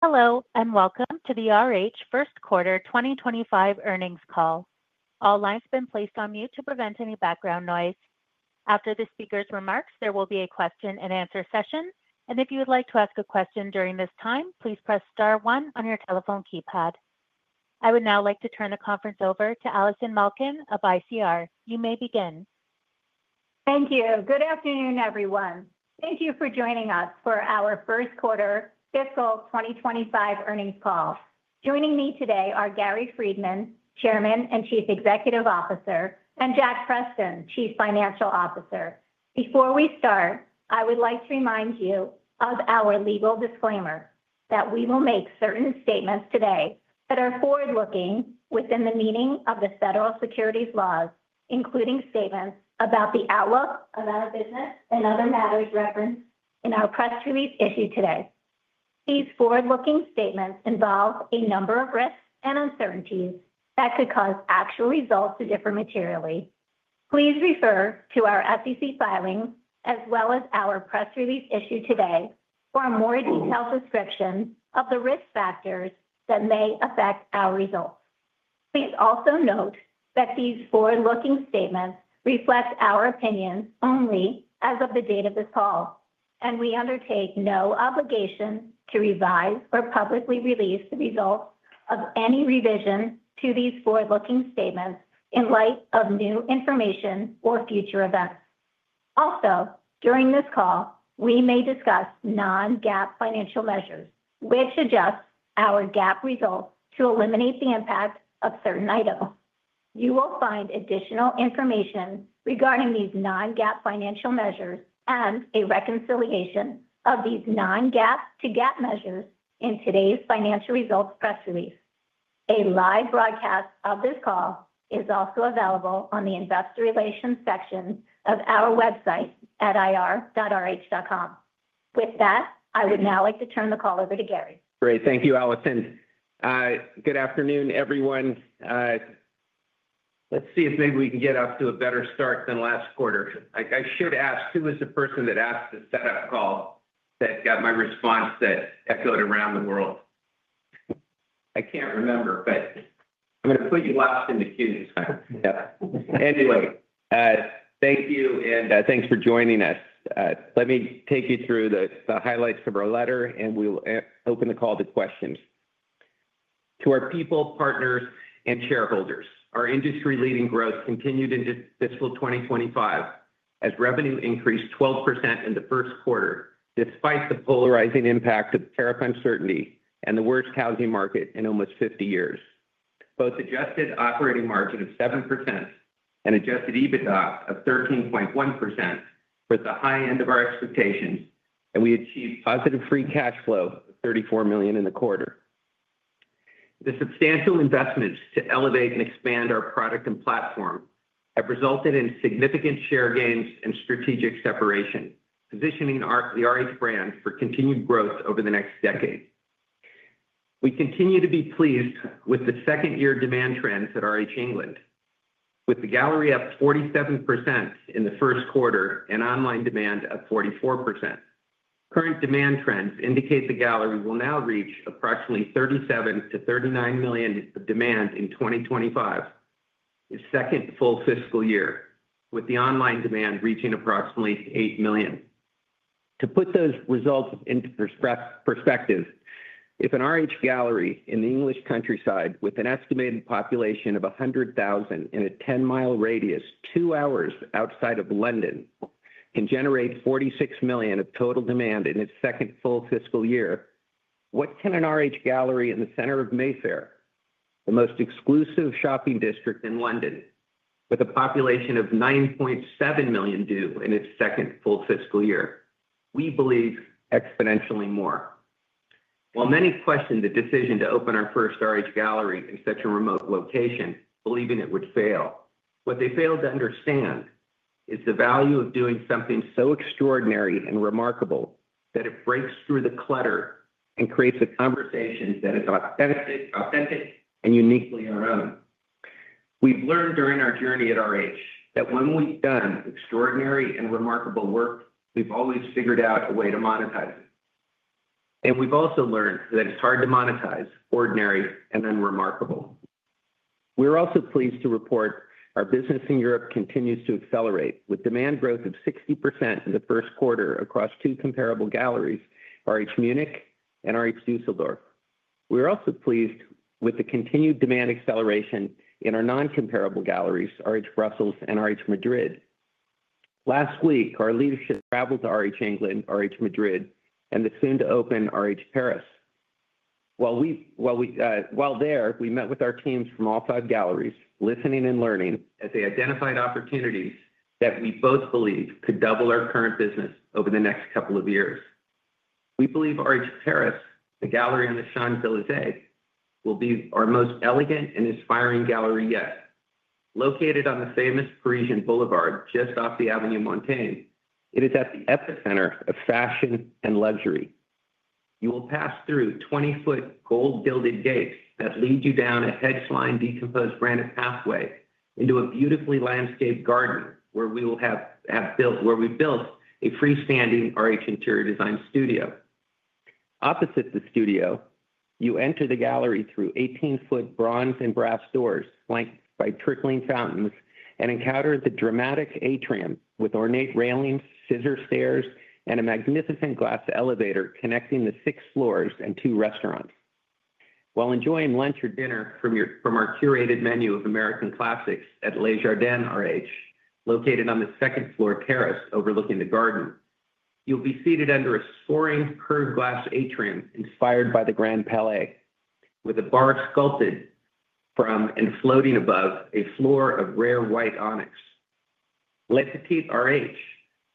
Hello and welcome to the RH first quarter 2025 earnings call. All lines have been placed on mute to prevent any background noise. After the speaker's remarks, there will be a question and answer session and if you would like to ask a question during this time, please press star 1 on your telephone keypad. I would now like to turn the conference over to Allison Malkin of ICR. You may begin. Thank you. Good afternoon everyone. Thank you for joining us for our first quarter fiscal 2025 earnings call. Joining me today are Gary Friedman, Chairman and Chief Executive Officer, and Jack Preston, Chief Financial Officer. Before we start, I would like to remind you of our legal disclaimer that we will make certain statements today that are forward looking within the meaning of the federal securities laws, including statements about the outlook of our business and other matters referenced in our press release issued today. These forward looking statements involve a number of risks and uncertainties that could cause actual results to differ materially. Please refer to our SEC filings as well as our press release issued today for a more detailed description of the risk factors that may affect our results. Please also note that these forward looking statements reflect our opinions only as of the date of this call and we undertake no obligation to revise or publicly release the results of any revision to these forward looking statements in light of new information or future events. Also during this call we may discuss non-GAAP financial measures which adjust our GAAP results to eliminate the impact of certain items. You will find additional information regarding these non-GAAP financial measures and a reconciliation of these non-GAAP to GAAP measures in today's financial results press release. A live broadcast of this call is also available on the Investor Relations section of our website at ir.rh.com. With that, I would now like to turn the call over to Gary. Great. Thank you, Allison. Good afternoon, everyone. Let's see if maybe we can get off to a better start than last quarter. I should ask who was the person that asked the setup call that got my response that echoed around the world? I can't remember, but I'm going to put you last in the queues. Thank you, and thanks for joining us. Let me take you through the highlights of our letter, and we'll open the call to questions to our people, partners, and shareholders. Our industry leading growth continued into fiscal 2025 as revenue increased 12% in the first quarter despite the polarizing impact of tariff uncertainty and the worst housing market in almost 50 years. Both adjusted operating margin of 7% and adjusted EBITDA of 13.1% were at the high end of our expectations, and we achieved positive free cash flow of $34 million in the quarter. The substantial investments to elevate and expand our product and platform have resulted in significant share gains and strategic separation, positioning the RH brand for continued growth over the next decade. We continue to be pleased with the second year demand trends at RH England, with the gallery up 47% in the first quarter and online demand up 44%. Current demand trends indicate the gallery will now reach approximately 37-39 million demand in 2025, the second full fiscal year, with the online demand reaching approximately 8 million. To put those results into perspective, if an RH gallery in the English countryside with an estimated population of 100,000 in a 10 mi radius two hours outside of London can generate 46 million of total demand in its second full fiscal year, what can an RH gallery in the center of Mayfair, the most exclusive shopping district in London, with a population of 9.7 million do in its second full fiscal year? We believe exponentially more. While many question the decision to open our first RH gallery in such a remote location, believing it would fail, what they failed to understand is the value of doing something so extraordinary and remarkable that it breaks through the clutter and creates a conversation that is authentic and uniquely our own. We've learned during our journey at RH that when we've done extraordinary and remarkable work, we've always figured out a way to monetize it. We've also learned that it's hard to monetize ordinary and unremarkable. We're also pleased to report our business in Europe continues to accelerate with demand growth of 60% in the first quarter across two comparable galleries, RH Munich and RH Düsseldorf. We're also pleased with the continued demand acceleration in our non-comparable galleries, RH Brussels and RH Madrid. Last week our leadership traveled to RH England, RH Madrid, and the soon to open RH Paris. While there we met with our teams from all five galleries, listening and learning as they identified opportunities that we both believe could double our current business over the next couple of years. We believe RH Paris, The Gallery on the Champs-Elysees, will be our most elegant and inspiring gallery yet. Located on the famous Parisian boulevard just off the Avenue Montaigne, it is at the epicenter of fashion and luxury. You will pass through 20 foot gold gilded gates that lead you down a hedge lined decomposed granite pathway into a beautifully landscaped garden where we built a freestanding RH interior design studio. Opposite the studio, you enter the gallery through 18 ft bronze and brass doors flanked by trickling fountains and encounter the dramatic atrium with ornate railings, scissor stairs, and a magnificent glass elevator connecting the six floors and two restaurants. While enjoying lunch or dinner from our curated menu of American classics at Le Jardin RH, located on the second floor terrace overlooking the garden, you'll be seated under a soaring curved glass atrium inspired by the Grand Palais with a bar sculpted from and floating above a floor of rare white onyx. Le Petit RH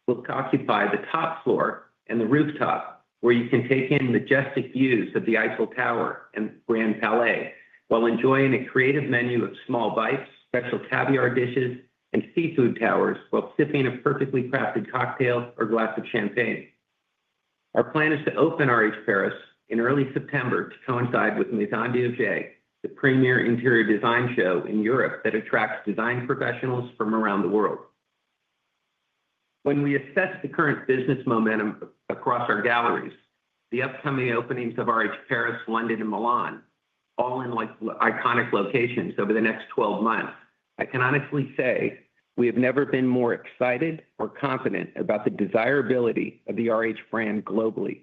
will occupy the top floor and the rooftop where you can take in majestic views of the Eiffel Tower and Grand Palais while enjoying a creative menu of small bites, special caviar dishes and seafood towers while sipping a perfectly crafted cocktail or glass of champagne. Our plan is to open RH Paris in early September to coincide with Maison&Objet, the premier interior design show in Europe that attracts design professionals from around the world. When we assess the current business momentum across our galleries, the upcoming openings of RH Paris, London and Milan all in iconic locations over the next 12 months, I can honestly say we have never been more excited or confident about the desirability of the RH brand globally.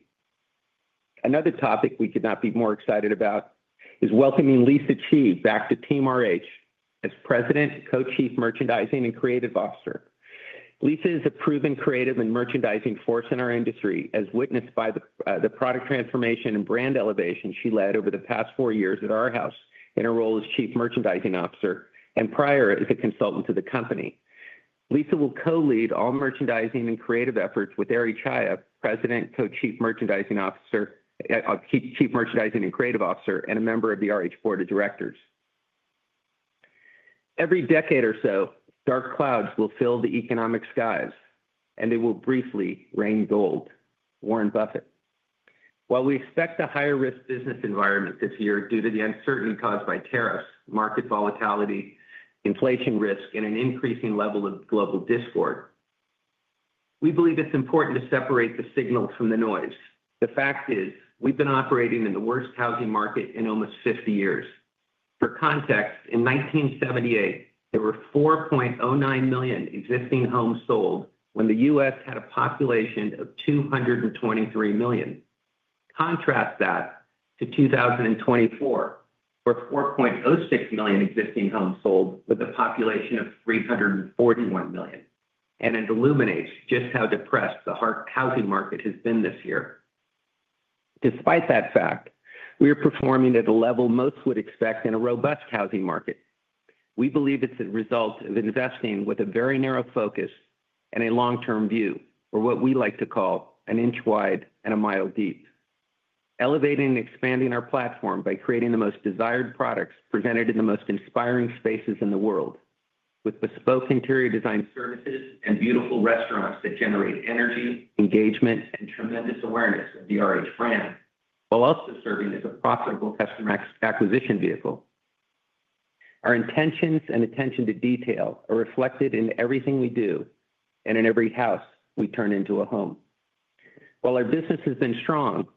Another topic we could not be more excited about is welcoming Lisa Chi back to Team RH as President, Co-Chief Merchandising and Creative Officer. Lisa is a proven creative and merchandising force in our industry as witnessed by the product transformation and brand elevation she led over the past four years at our house. In her role as Chief Merchandising Officer and prior as a consultant to the company, Lisa will co-lead all merchandising and creative efforts with Eri Chaya, President, Co-Chief Merchandising and Creative Officer and a member of the RH Board of Directors. Every decade or so, dark clouds will fill the economic skies and they will briefly rain gold. Warren Buffett. While we expect a higher risk business environment this year due to the uncertainty caused by tariffs, market volatility, inflation risk, and an increasing level of global discord, we believe it's important to separate the signal from the noise. The fact is, we've been operating in the worst housing market in almost 50 years. For context, in 1978 there were 4.09 million existing homes sold when the U.S. had a population of 223 million. Contrast that to 2024 where 4.06 million existing homes sold with a population of 341 million and it illuminates just how depressed the housing market has been this year. Despite that fact, we are performing at a level most would expect in a robust housing market. We believe it's a result of investing with a very narrow focus and a long term view or what we like to call an inch wide and a mile deep. Elevating and expanding our platform by creating the most desired products presented in the most inspiring spaces in the world with bespoke interior design services and beautiful restaurants that generate energy, engagement, and tremendous awareness of the RH brand while also serving as a profitable customer acquisition vehicle. Our intentions and attention to detail are reflected in everything we do and in every house we turn into a home. While our business has been strong,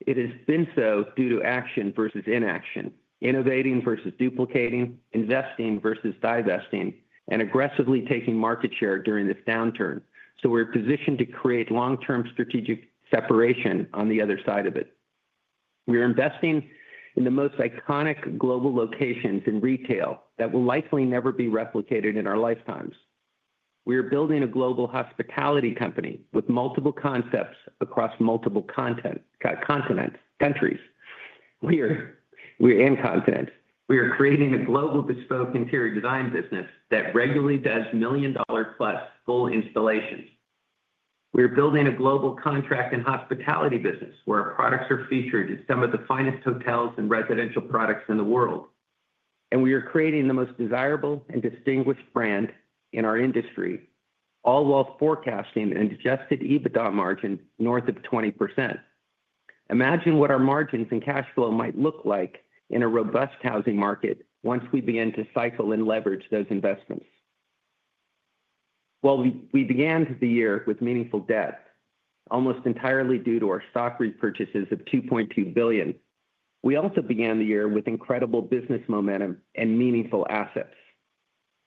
it has been so due to action versus inaction, innovating versus duplicating, investing versus divesting, and aggressively taking market share during this downturn so we're positioned to create long term strategic separation. On the other side of it, we are investing in the most iconic global locations in retail that will likely never be replicated in our lifetimes. We are building a global hospitality company with multiple concepts across multiple continents, countries and continent. We are creating a global bespoke interior design business that regularly does million dollar plus full installations. We are building a global contract and hospitality business where our products are featured in some of the finest hotels and residential products in the world and we are creating the most desirable and distinguished brand in our industry, all while forecasting an adjusted EBITDA margin north of 20%. Imagine what our margins and cash flow might look like in a robust housing market once we begin to cycle and leverage those investments. While we began the year with meaningful debt almost entirely due to our stock repurchases of $2.2 billion, we also began the year with incredible business momentum and meaningful assets.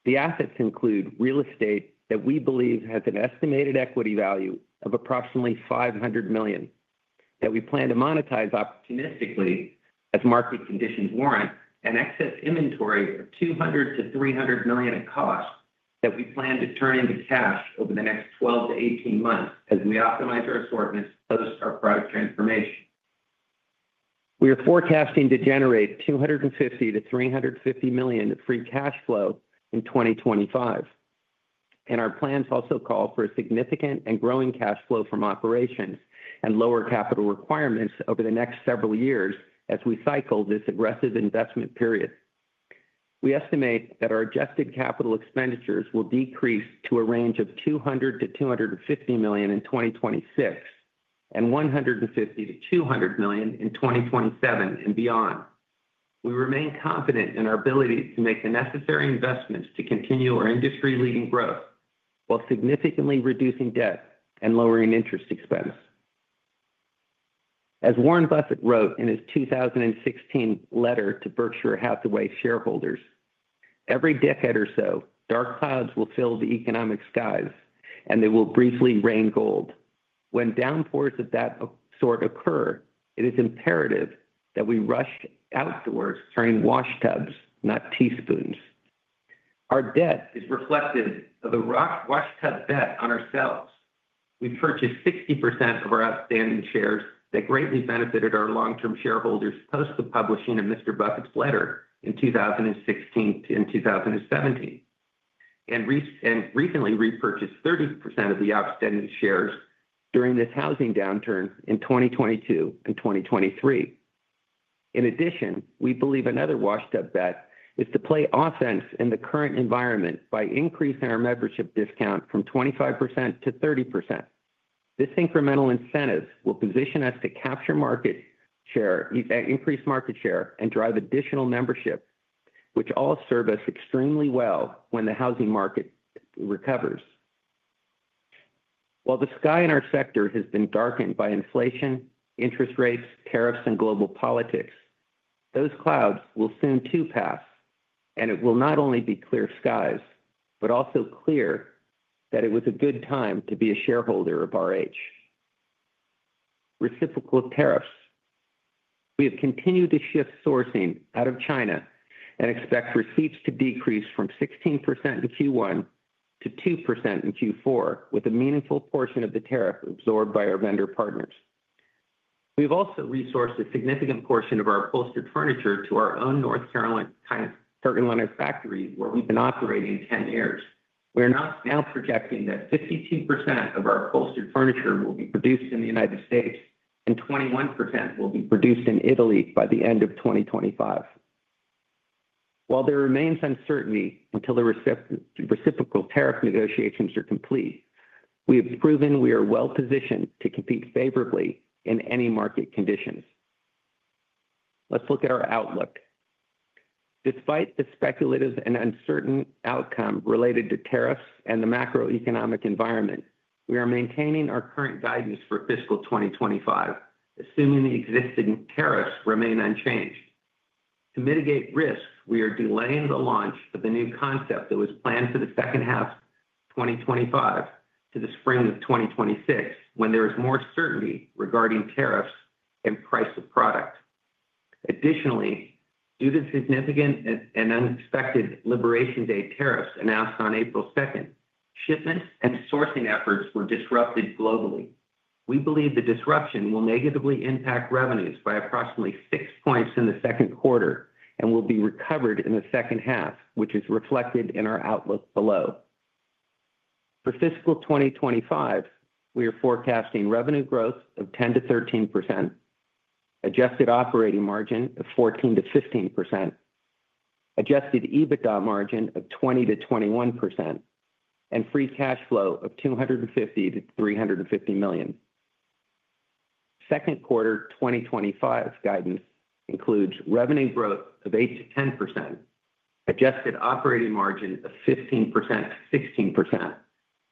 The assets include real estate that we believe has an estimated equity value of approximately $500 million that we plan to monetize opportunistically as market conditions warrant, and excess inventory of $200 million-$300 million at cost that we plan to turn into cash over the next 12-18 months as we optimize our assortments post our product transformation. We are forecasting to generate $250 million-$350 million free cash flow in 2025 and our plans also call for a significant and growing cash flow from operations and lower capital requirements over the next several years. As we cycle this aggressive investment period, we estimate that our adjusted capital expenditures will decrease to a range of $200 million-$250 million in 2026 and $150 million-$200 million in 2027 and beyond. We remain confident in our ability to make the necessary investments to continue our industry leading growth while significantly reducing debt and lowering interest expense. As Warren Buffett wrote in his 2016 letter to Berkshire Hathaway shareholders, every decade or so dark clouds will fill the economic skies and they will briefly rain gold. When downpours of that sort occur, it is imperative that we rush outdoors turning washtubs, not teaspoons. Our debt is reflective of the washtub bet on ourselves. We purchased 60% of our outstanding shares that greatly benefited our long term shareholders post the publishing of Mr. Buffett's letter in 2016 and 2017 and recently repurchased 30% of the outstanding shares during this housing downturn in 2022 and 2023. In addition, we believe another washed up bet is to play offense in the current environment by increasing our membership discount from 25% to 30%. This incremental incentive will position us to capture market share, increase market share and drive additional membership, which all serve us extremely well when the housing market recovers. While the sky in our sector has been darkened by inflation, interest rates, tariffs and global politics, those clouds will soon too pass and it will not only be clear skies but also clear that it was a good time to be a shareholder of RH. Reciprocal tariffs, we have continued to shift sourcing out of China and expect receipts to decrease from 16% in Q1 to 2% in Q4, with a meaningful portion of the tariff absorbed by our vendor partners. We've also resourced a significant portion of our upholstered furniture to our own North Carolina factory where we've been operating 10 years. We're now projecting that 52% of our upholstered furniture will be produced in the United States and 21% will be produced in Italy by the end of 2025. While there remains uncertainty until the reciprocal tariff negotiations are complete, we have proven we are well positioned to compete favorably in any market conditions. Let's look at our outlook. Despite the speculative and uncertain outcome related to tariffs and the macroeconomic environment, we are maintaining our current guidance for fiscal 2025 assuming the existing tariffs remain unchanged. To mitigate risk, we are delaying the launch of the new concept that was planned for the second half 2025 to the spring of 2026, when there is more certainty regarding tariffs and price of product. Additionally, due to significant and unexpected Liberation Day tariffs announced on April 2nd, shipments and sourcing efforts were disrupted globally. We believe the disruption will negatively impact revenues by approximately 6% in the second quarter and will be recovered in the second half, which is reflected in our outlook below. For fiscal 2025, we are forecasting revenue growth of 10-13%, adjusted operating margin of 14-15%, adjusted EBITDA margin of 20-21%, and free cash flow of $250-$350 million. Second quarter 2025 guidance includes revenue growth of 8-10%, adjusted operating margin of 15-16%,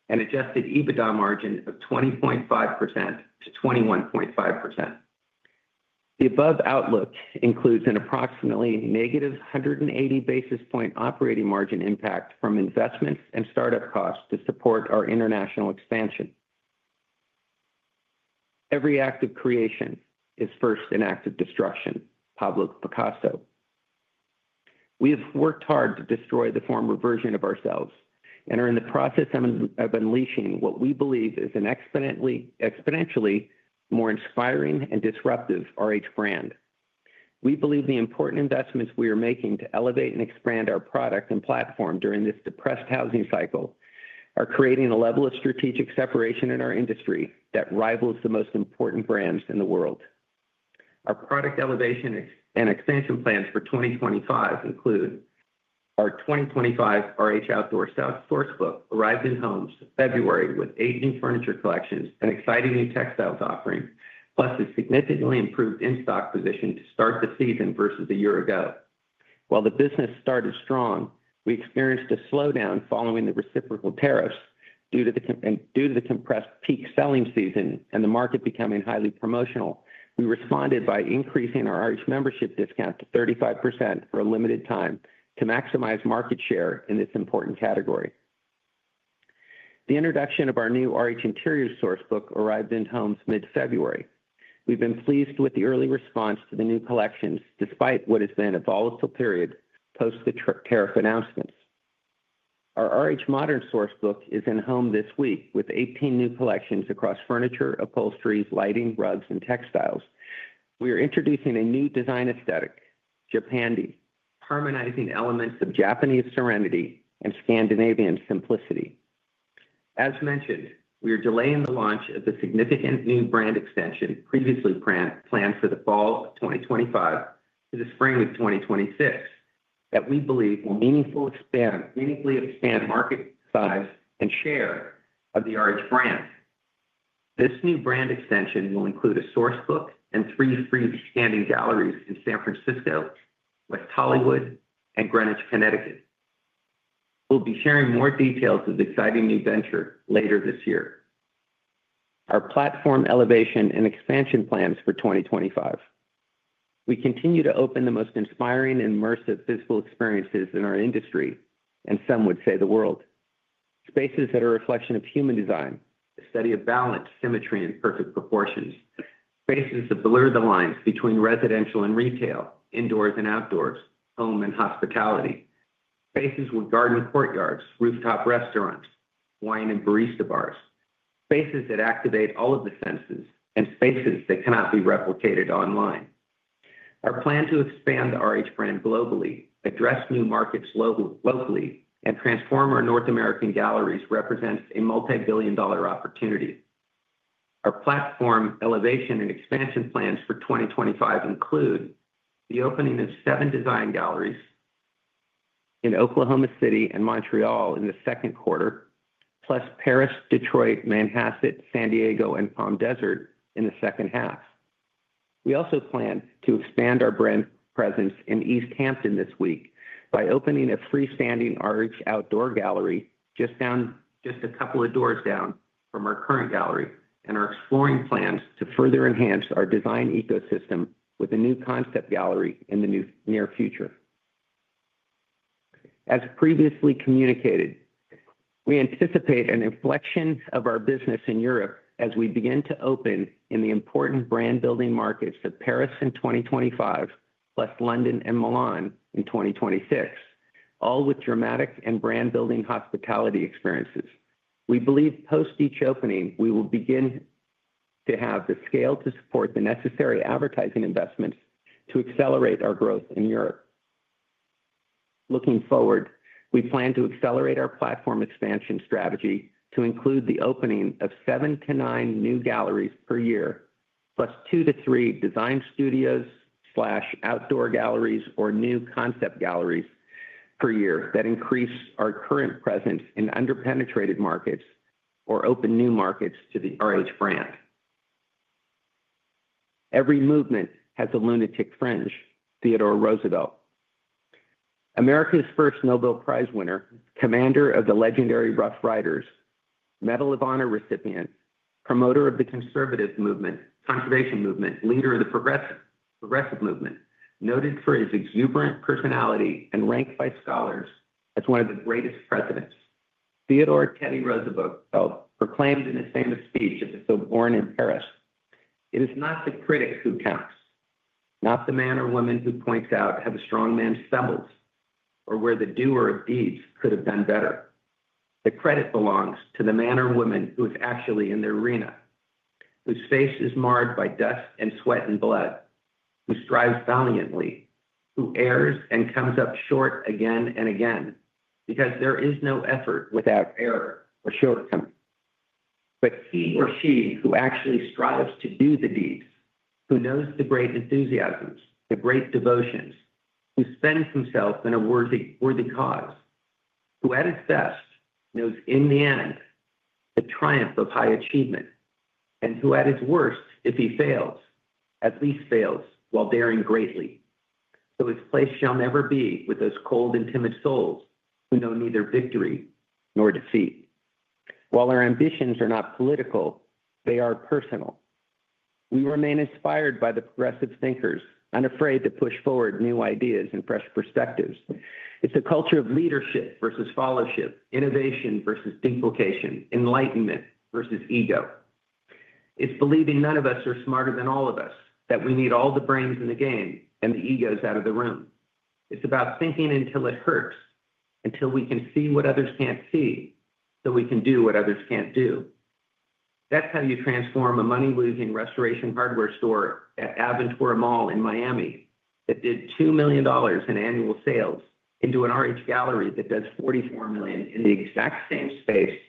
and adjusted EBITDA margin of 20.5-21.5%. The above outlook includes an approximately negative 180 basis point operating margin impact from investments and startup costs to support our international expansion. Every act of creation is first an act of destruction. Pablo Picasso. We have worked hard to destroy the former version of ourselves and are in the process of unleashing what we believe is an exponentially more inspiring and disruptive RH brand. We believe the important investments we are making to elevate and expand our product and platform during this depressed housing cycle are creating a level of strategic separation in our industry that rivals the most important brands in the world. Our product elevation and extension plans for 2025 include our 2025 RH Outdoor Sourcebook arrived in homes February with eight new furniture collections and exciting new textiles offering plus a significantly improved in stock position to start the season versus a year ago. While the business started strong, we experienced a slowdown following the reciprocal tariffs due to the compressed peak selling season and the market becoming highly promotional. We responded by increasing our RH membership discount to 35% for a limited time to maximize market share in this important category. The introduction of our new RH Interior Sourcebook arrived in homes mid February. We've been pleased with the early response to the new collections despite what has been a volatile period post the tariff announcements. Our RH Modern Sourcebook is in home this week with 18 new collections across furniture, upholsteries, lighting, rugs, and textiles. We are introducing a new design aesthetic, Japandi, harmonizing elements of Japanese serenity and Scandinavian simplicity. As mentioned, we are delaying the launch of the significant new brand extension previously planned for the fall of 2025 to the spring of 2026 that we believe will meaningfully expand market size and share of the RH brand. This new brand extension will include a source book and three freestanding galleries in San Francisco, West Hollywood, and Greenwich, Connecticut. We'll be sharing more details of the exciting new venture later this year. Our platform elevation and expansion plans for 2025, we continue to open the most inspiring, immersive physical experiences in our industry and some would say the world. Spaces that are a reflection of human design, the study of balance, symmetry, and perfect proportions, spaces that blur the lines between residential and retail, indoors and outdoors, home and hospitality, spaces with garden courtyards, rooftop restaurants, wine and barista bars, spaces that activate all of the senses, and spaces that cannot be replicated online. Our plan to expand the RH brand globally, address new markets locally, and transform our North American galleries represents a multi-billion dollar opportunity. Our platform elevation and expansion plans for 2025 include the opening of seven design galleries in Oklahoma City and Montreal in the second quarter, plus Paris, Detroit, Manhasset, San Diego, and Palm Desert in the second half. We also plan to expand our brand presence in East Hampton this week by opening a freestanding art outdoor gallery just a couple of doors down from our current gallery and are exploring plans to further enhance our design ecosystem with a new concept gallery in the near future. As previously communicated, we anticipate an inflection of our business in Europe and as we begin to open in the important brand building markets of Paris in 2025 plus London and Milan in 2026, all with dramatic and brand building hospitality experiences, we believe post each opening we will begin to have the scale to support the necessary advertising investments to accelerate our growth in Europe. Looking forward, we plan to accelerate our platform expansion strategy to include the opening of seven to nine new galleries per year, plus two to three design studios, outdoor galleries or new concept galleries per year that increase our current presence in underpenetrated markets or open new markets to the RH brand. Every movement has a lunatic fringe. Theodore Roosevelt, America's first Nobel Prize winner, commander of the legendary Rough Riders, Medal of Honor recipient, promoter of the conservation movement, leader of the progressive movement, noted for his exuberant personality and ranked by scholars as one of the greatest presidents. Theodore Teddy Roosevelt proclaimed in his famous speech at the Sorbonne in Paris it is not the critic who counts, not the man or woman who points out how the strong man stumbles, or where the doer of deeds could have done better. The credit belongs to the man or woman who is actually in the arena, whose face is marred by dust and sweat and blood, who strives valiantly, who errs and comes up short again and again because there is no effort without error or shortcoming, but he or she who actually strives to do the deeds, who knows the great enthusiasms, the great devotions, who spend himself in a worthy cause, who at its best knows in the end the triumph of high achievement and who at his worst if he fails, at least fails while daring greatly. His place shall never be with those cold and timid souls who know neither victory nor defeat. While our ambitions are not political, they are personal. We remain inspired by the progressive thinkers, unafraid to push forward new ideas and fresh perspectives. It's a culture of leadership versus followship, innovation versus duplication, enlightenment versus ego. It's believing none of us are smarter than all of us, that we need all the brains in the game and the egos out of the room. It's about thinking until it hurts. Until we can see what others can't see. So we can do what others can't do. That's how you transform a money losing Restoration Hardware store at Aventura Mall in Miami that did $2 million in annual sales into an RH gallery that does $44 million in the exact same space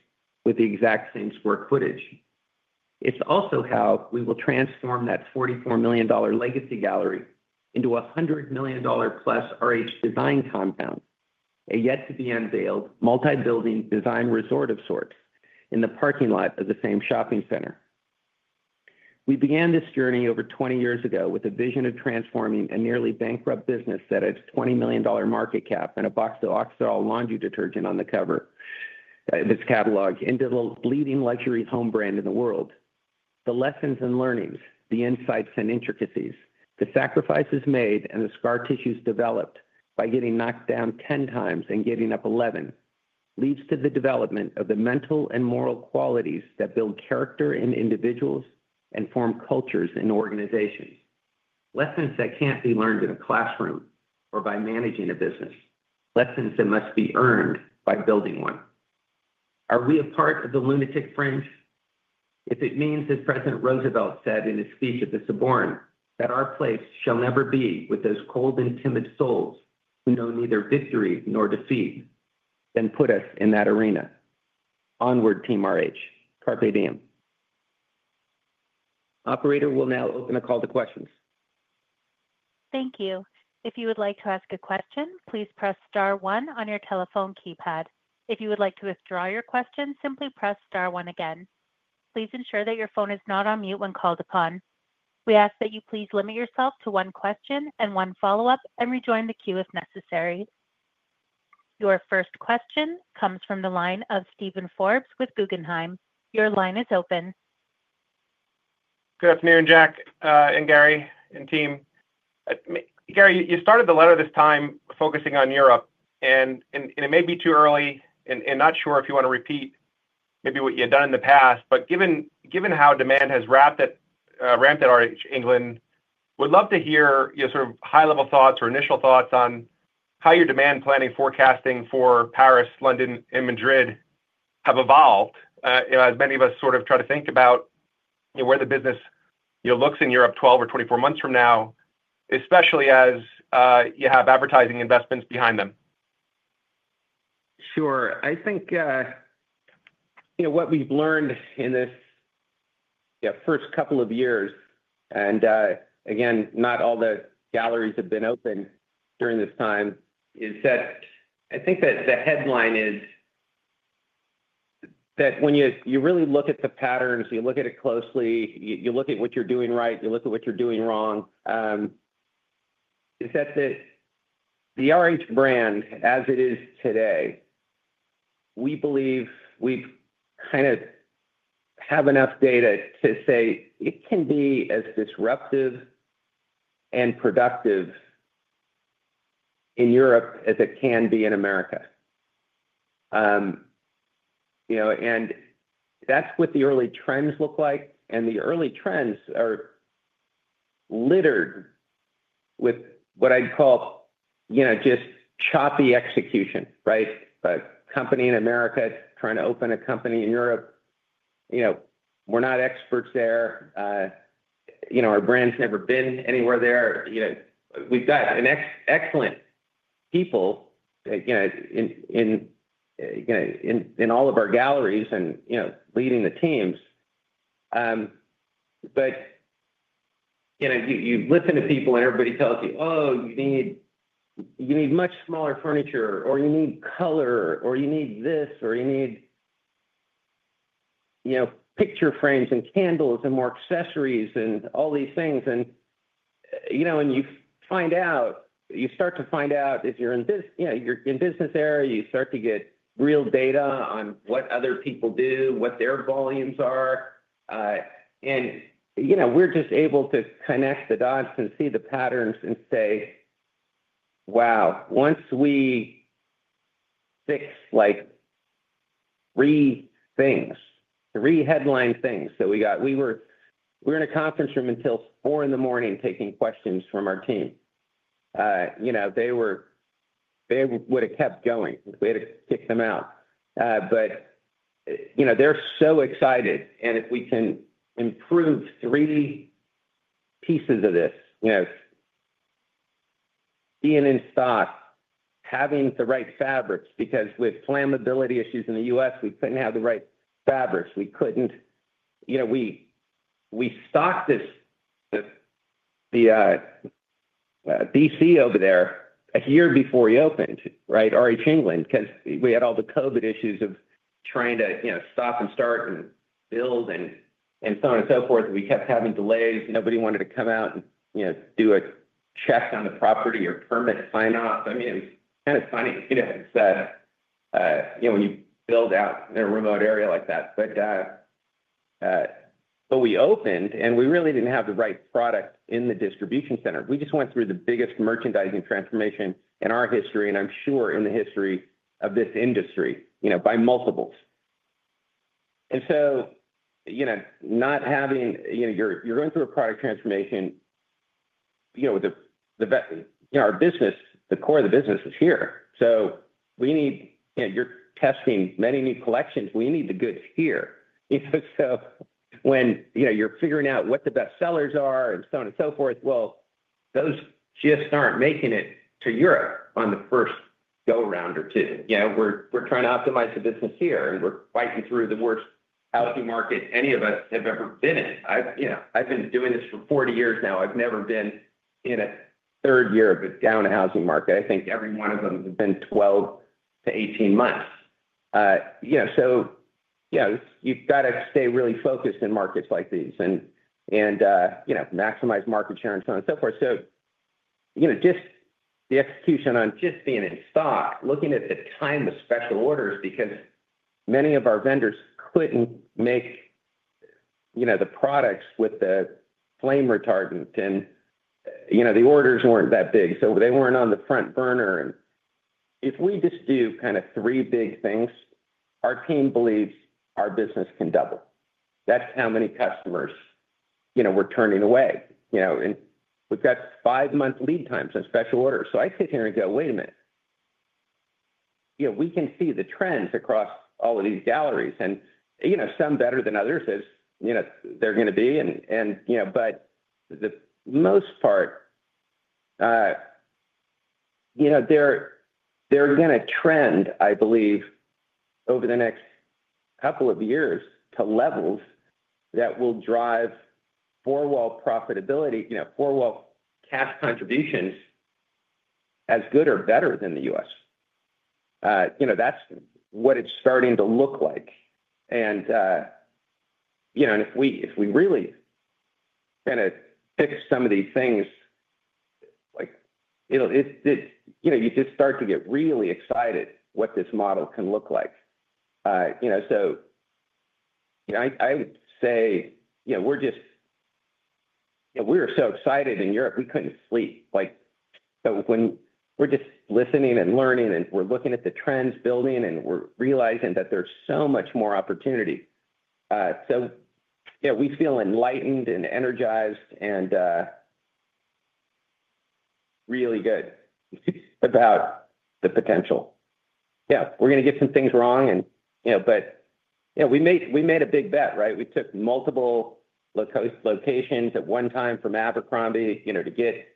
with the exact same square footage. It's also how we will transform that $44 million Legacy Gallery into a $100 million plus RH Divine Compound, a yet to be unveiled multi building design resort of sorts in the parking lot of the same shopping center. We began this journey over 20 years ago with a vision of transforming a nearly bankrupt business that had a $20 million market cap and a box of Oxydol laundry detergent on the COVID This catalog into the leading luxury home brand in the world. The lessons and learnings, the insights and intricacies, the sacrifices made and the scar tissues developed by getting knocked down 10 times and getting up 11 leads to the development of the mental and moral qualities that build character in individuals and form cultures and organizations. Lessons that cannot be learned in a classroom or by managing a business. Lessons that must be earned by building one. Are we a part of the lunatic frames? If it means that President Roosevelt said in his speech at the Sorbonne that our place shall never be with those cold and timid souls who know neither victory nor defeat, then put us in that arena. Onward Team RH. Carpe Diem. Operator will now open the call to questions. Thank you. If you would like to ask a question, please press star one on your telephone keypad. If you would like to withdraw your question, simply press star one again. Please ensure that your phone is not on mute when called upon. We ask that you please limit yourself to one question and one follow up and rejoin the queue if necessary. Your first question comes from the line of Steven Forbes with Guggenheim. Your line is open. Good afternoon Jack and Gary and team. Gary, you started the letter this time focusing on Europe and it may be too early and not sure if you want to repeat maybe what you've done in the past, but given how demand has ramped at RH England, we'd love to hear your sort of high level thoughts or initial thoughts on how your demand planning, forecasting for Paris, London and Madrid have evolved as many of us sort of try to think about where the business looks in Europe 12 or 24 months from now, especially as you have advertising investments behind them. Sure. I think what we've learned in this first couple of years, and again, not all the galleries have been open during this time, is that I think that the headline is that when you really look at the patterns, you look at it closely, you look at what you're doing right, you look at what you're doing wrong. Is that the RH brand as it is today, we believe we kind of have enough data to say it can be as disruptive and productive in Europe as it can be in America. That's what the early trends look like. The early trends are littered with what I'd call just choppy execution. A company in America trying to open a company in Europe, we're not experts there. Our brand's never been anywhere there. We've got excellent people in all of our galleries and leading the teams. You listen to people and everybody tells you, oh, you need much smaller furniture or you need color or you need this, or you need picture frames and candles and more accessories and all these things. You find out, you start to find out if you're in this business area, you start to get real data on what other people do, what their volumes are. You know, we're just able to connect the dots and see the patterns and say, wow, once we fix like three things, three headline things that we got, we were in a conference room until 4:00 A.M. taking questions from our team. You know, they would have kept going. We had to kick them out. You know, they're so excited. If we can improve three pieces of this, you know, being in stock, having the right fabrics, because with flammability issues in the U.S. we couldn't have the right fabrics. We couldn't, you know, we stocked this, the D.C. over there, a year before we opened. Right. RH England, because we had all the COVID issues of trying to, you know, stop and start and build and, and so on and so forth. We kept having delays. Nobody wanted to come out and, you know, do a check on the property or permit sign off. I mean, it was kind of funny, you know, when you build out in a remote area like that. We opened and we really didn't have the right product in the distribution center. We just went through the biggest merchandising transformation in our history and I'm sure in the history of this industry, you know, by multiples, and so, you know, not having, you know, you're going through a product transformation, you know, with the, you know, our business, the core of the business is here. So we need, and you're testing many new collections. We need the goods here when you're figuring out what the best sellers are and so on and so forth. Those shifts aren't making it to Europe on the first go round or two. We're trying to optimize the business here and we're fighting through the worst housing market any of us have ever been in. I've been doing this for 40 years now. I've never been in a third year of a down housing market. I think every one of them then 12-18 months. You have to stay really focused in markets like these and maximize market share and so on and so forth. Just the execution on just being in stock, looking at the time of special orders because many of our vendors could not make the products with the flame retardant and the orders were not that big so they were not on the front burner. If we just do kind of three big things, our team believes our business can double. That is how many customers we are turning away. We have five month lead times in special orders. I sit here and go, wait a minute. We can see the trends across all of these galleries and some better than others as they are going to be. the most part, they're going to trend, I believe, over the next couple of years to levels that will drive four wall profitability, four wall cash contributions as good or better than the U.S. That's what it's starting to look like. If we really kind of pick some of these things, you just start to get really excited what this model can look like. I would say we were so excited in Europe we couldn't sleep. We're just listening and learning and we're looking at the trends building and we're realizing that there's so much more opportunity. Yeah, we feel enlightened and energized and really good about the potential. Yeah, we're going to get some things wrong. We made a big bet, right? We took multiple locations at one time from Abercrombie, to get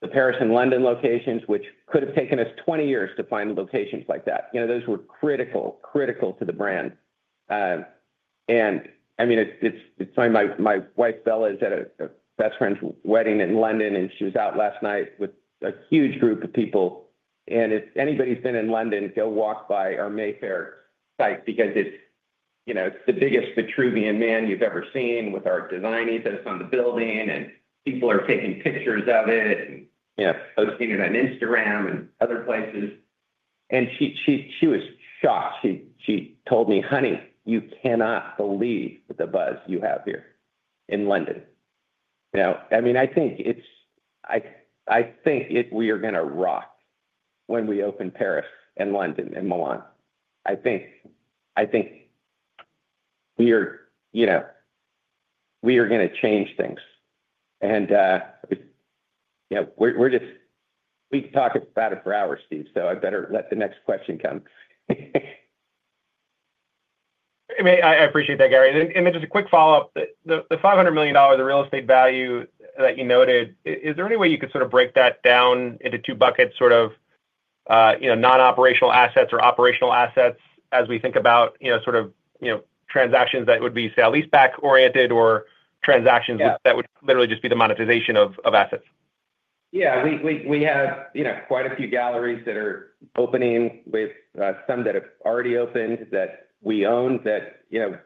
the Paris and London locations, which could have taken us 20 years to find locations like that. Those were crazy critical, critical to the brand. I mean, it's funny, my wife Bella is at a best friend's wedding in London and she was out last night with a huge group of people. If anybody's been in London, go walk by our Mayfair site because it's the biggest Vitruvian man you've ever seen with our designees on the building and people are taking pictures of it and posting it on Instagram and other places. She was shocked. She told me, honey, you cannot believe the buzz you have here in London. I mean, I think it's, I think we are going to rock when we open Paris and London and Milan. I think we are, you know, we are going to change things. Yeah, we're just, we talk about it for hours, Steve. I better let the next question come. I appreciate that, Gary. And then just a quick follow up. The $500 million of real estate value that you noted, is there any way you could sort of break that down into two buckets, sort of, you know, non operational assets or operational assets as we think about, you know, sort of, you know, transactions that would be sale leaseback oriented or transferred transactions that would literally just be the monetization of assets? Yeah, we have, you know, quite a few galleries that are opening with some that have already opened that we own that, you know,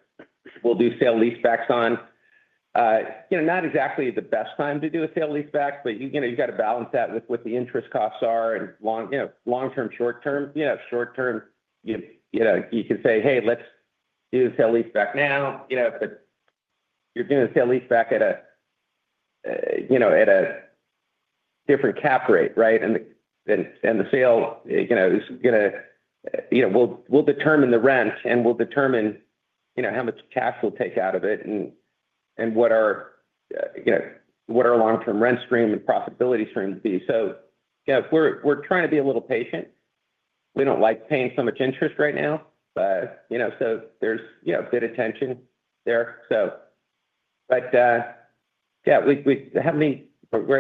we'll do sale leasebacks on, you know, not exactly the best time to do a sale leaseback. But you know, you got to balance that with what the interest costs are and long, you know, long term, short term, you know, short term, you know, you can say, hey, let's do the sale leaseback now. You know, but you're doing the sale leaseback at a, you know, at a different cap rate. Right. And the sale, you know, is going to, you know, will determine the rent and will determine, you know, how much cash we'll take out of it and what our, you know, what our long term rent stream and profitability stream would be. We are trying to be a little patient. We do not like paying so much interest right now. There is good attention there. Right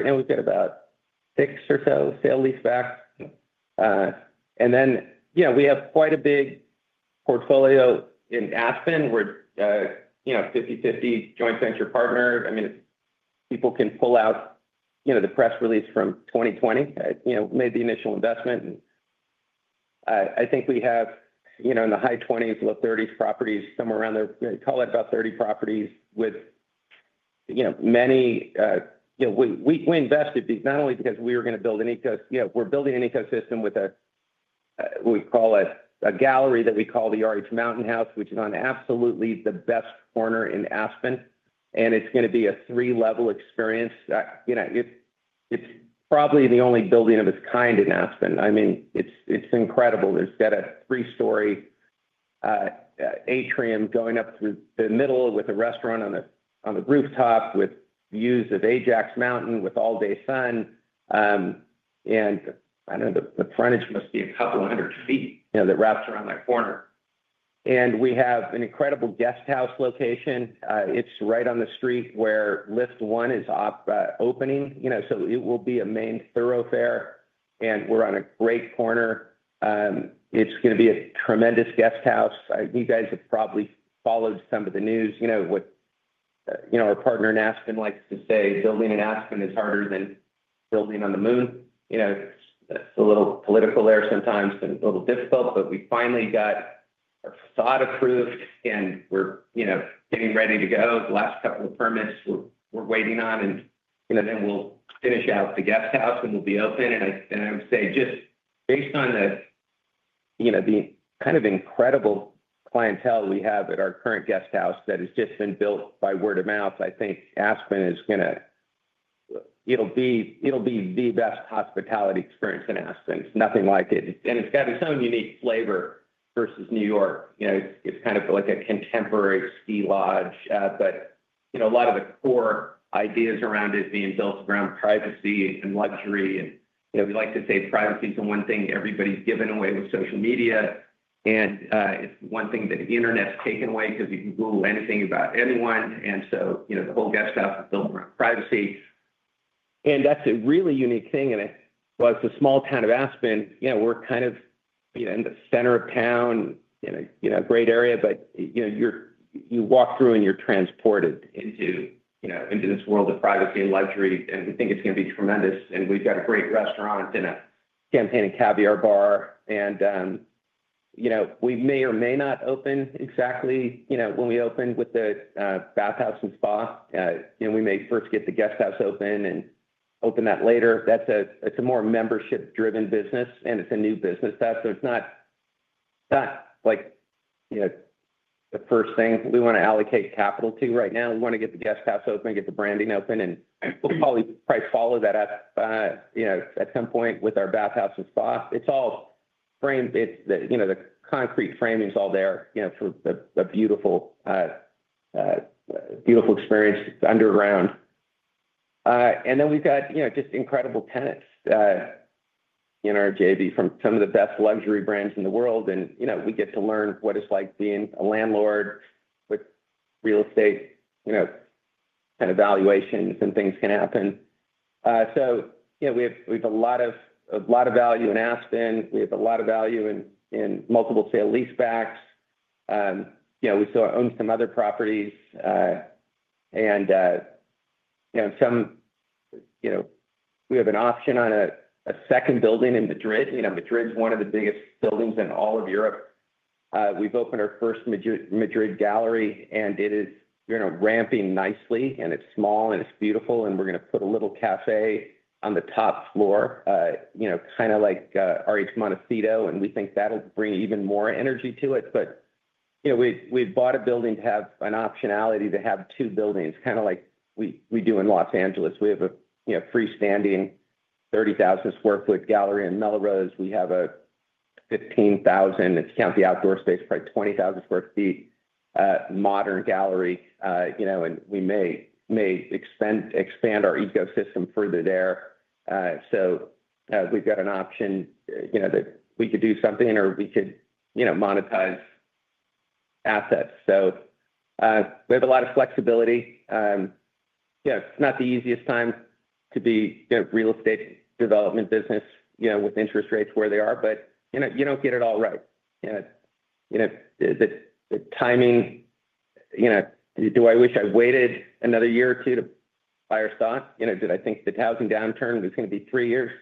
now we have about six or so sale leasebacks and then we have quite a big portfolio in Aspen. We're 50/50 joint venture partners. I mean people can pull out, you know, the press release from 2020, you know, made the initial investment. I think we have, you know, in the high 20s, low 30s properties somewhere around there, call it about 30 properties with, you know, many. You know, we invested not only because we were going to build an ecosystem. You know, we're building an ecosystem with a. We call it a gallery that we call the RH Mountain House, which is on absolutely the best corner in Aspen. And it's going to be a three level experience. It's probably the only building of its kind in Aspen. I mean, it's incredible. It's got a three story atrium going up through the middle with a restaurant on the rooftop with views of Ajax Mountain with all day sun. I know the frontage must be a couple hundred feet that wraps around that corner. We have an incredible guest house location. It is right on the street where lift one is opening. You know, it will be a main thoroughfare and we are on a great corner. It is going to be a tremendous guest house. You guys have probably followed some of the news. You know what, you know, our partner in Aspen likes to say building in Aspen is harder than building on the moon. You know, it is a little political there sometimes and a little difficult. We finally got our facade approved and we are getting ready to go. The last couple of permits we are waiting on and then we will finish out the guest house and we will be open. I would say just based on the kind of incredible clientele we have at our current guest house that has just been built by word of mouth, I think Aspen is going to. It'll be the best hospitality experience in Aspen. It's nothing like it. It's got its own unique flavor versus New York. It's kind of like a contemporary ski lodge. A lot of the core ideas around it are being built around privacy and luxury. We like to say privacy is the one thing everybody's given away with social media and it's one thing that the Internet's taken away because you can Google anything about anyone. The whole guest house is built around privacy and that's a really unique thing. It was the small town of Aspen. You know, we're kind of in the center of town in a great area, but you know, you walk through and you're transported into, you know, into this world of privacy and luxury. We think it's going to be tremendous. We've got a great restaurant and a champagne and caviar bar and, you know, we may or may not open exactly, you know, when we open with the bathhouse and spa, and we may first get the guest house open and open that later. That's a, it's a more membership driven business and it's a new business that, so it's not like, you know, the first thing we want to allocate capital to right now. We want to get the guest house open, get the branding open, and we'll probably follow that up, you know, at some point with our bathhouse and spa. It's all framed, it's the, you know, the concrete framing is all there, you know, for a beautiful, beautiful experience underground. We have just incredible tenants in our JV from some of the best luxury brands in the world. We get to learn what it's like being a landlord with real estate valuations and things can happen. We have a lot of value in Aspen. We have a lot of value in multiple sale leasebacks. We still own some other properties and we have an option on a second building in Madrid. Madrid's one of the biggest buildings in all of Europe. We've opened our first Madrid gallery and it is ramping nicely and it's small and it's beautiful and we're going to put a little cafe on the top floor, kind of like RH Montecito and we think that'll bring even more energy to it. You know, we bought a building to have an optionality to have two buildings, kind of like we do in Los Angeles. We have a, you know, freestanding 30,000 sq ft gallery. In Melrose we have a 15,000 sq ft, if you count the outdoor space, probably 20,000 sq ft, modern gallery, you know, and we may expand our ecosystem further there. We have got an option, you know, that we could do something or we could, you know, monetize assets. We have a lot of flexibility. It is not the easiest time to be in the real estate development business, you know, with interest rates where they are. You do not get it all right. You know, the timing, you know, do I wish I waited another year or two to buy our stock? You know, did I think the housing downturn was going to be three years?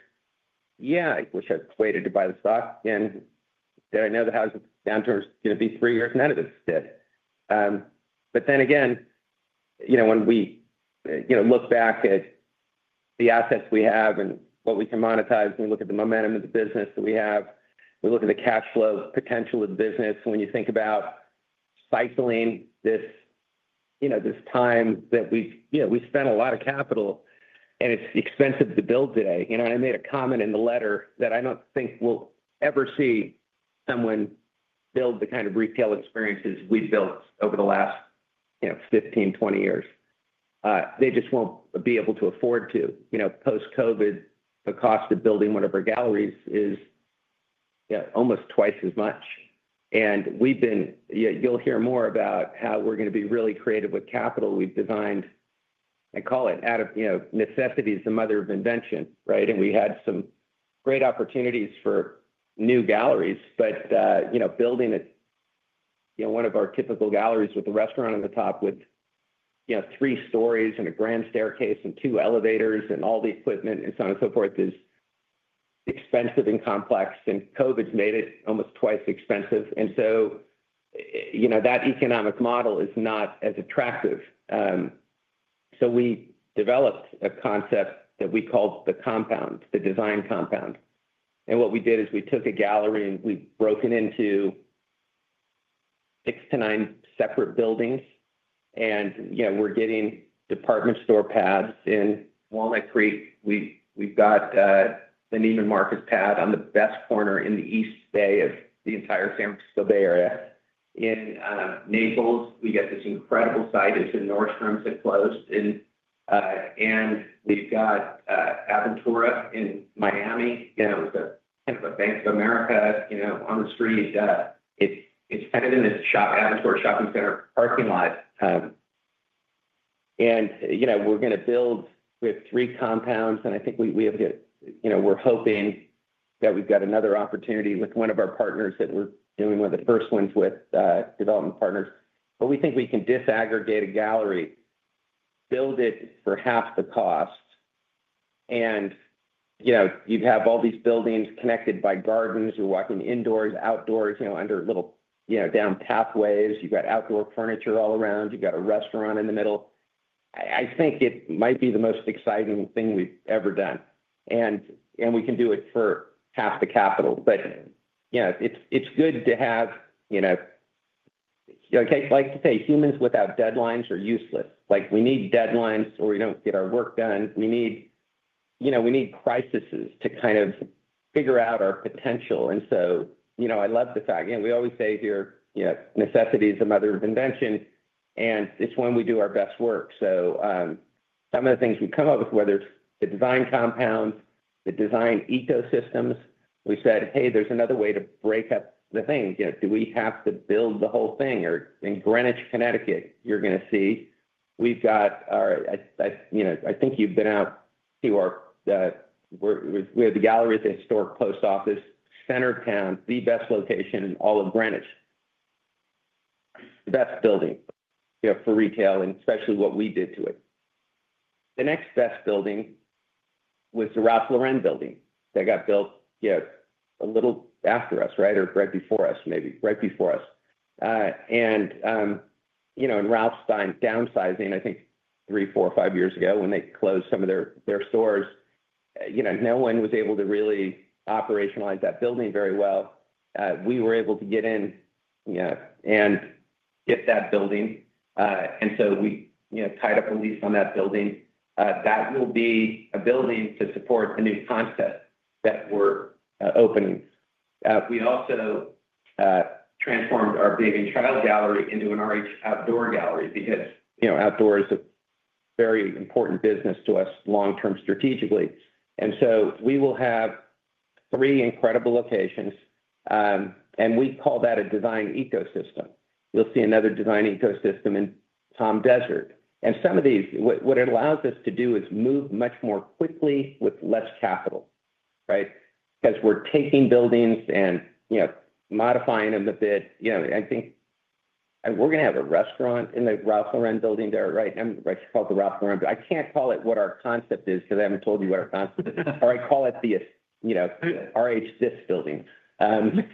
Yeah, I wish I waited to buy the stock. Did I know the housing downturn was going to be three years? None of us did. Then again, when we look back at the assets we have and what we can monetize, we look at the momentum of the business that we have, we look at the cash flow potential of the business. When you think about cycling this time that we spent a lot of capital and it is expensive to build today, you know, and I made a comment in the letter that I do not think we will ever see someone build the kind of retail experiences we have built over the last 15-20 years. They just will not be able to afford to, you know, post-COVID. The cost of building one of our galleries is almost twice as much. And we've been. You'll hear more about how we're going to be really creative with capital. We've designed, I call it out of, you know, necessity is the mother of invention, right? And we had some great opportunities for new galleries. But, you know, building it, you know, one of our typical galleries with a restaurant on the top with, you know, three stories and a grand staircase and two elevators and all the equipment and so on and so forth is expensive and complex. And COVID's made it almost twice expensive. And so, you know, that economic model is not as attractive. So we developed a concept that we called the compound, the design compound. And what we did is we took a gallery and we broke it into six to nine separate buildings. We're getting department store pads in Walnut Creek. We've got the Neiman Marcus pad on the best corner in the East Bay of the entire San Francisco Bay Area. In Naples, we get this incredible site. It's in Nordstrom's that closed. We've got Aventura in Miami, Bank of America on the street. It's kind of in this Aventura shopping center parking lot. We're going to build with three compounds. I think we're hoping that we've got another opportunity with one of our partners, that we're doing one of the first ones with development partners. We think we can disaggregate a gallery, build it for half the cost. You'd have all these buildings connected by gardens. You're walking indoors, outdoors, down pathways. You've got outdoor furniture all around. You got a restaurant in the middle. I think it might be the most exciting thing we've ever, ever done. We can do it for half the capital. Yeah, it's good to have, you know, like to say humans without deadlines are useless. We need deadlines or we don't get our work done. We need, you know, we need crisis to kind of figure out our potential. You know, I love the fact and we always say here, you know, necessity is the mother of invention, and it's when we do our best work. Some of the things we come up with, whether it's the design compound, the design ecosystems, we said, hey, there's another way to break up the thing. Do we have to build the whole thing or in Greenwich, Connecticut, you're going to see, we've got, I think you've been out. We have the gallery at the historic post office center town. The best location in all of Greenwich. The best building for retail and especially what we did to it. The next best building was the Ralph Lauren building that got built a little after us, right? Or right before us. Maybe right before us. And you know, in Ralph Lauren downsizing, I think three, four or five years ago, when they closed some of their stores, you know, no one was able to really operationalize that building very well. We were able to get in and get that building. And so we tied up a lease on that building that will be a building to support a new concept that we're opening. We also transformed our Baby Child gallery into an RH outdoor gallery. Because outdoor is a very important business to us long term, strategically. We will have three incredible locations and we call that a design ecosystem. You'll see another design ecosystem in Palm Desert. Some of these, what it allows us to do is move much more quickly with less capital. Right. Because we're taking buildings and modifying them a bit. You know, I think we're going to have a restaurant in the Ralph Lauren building there, right? I'm called the Ralph Lauren. I can't call it what our concept is because I haven't told you what our concept is. Or I call it the, you know, RH this building. You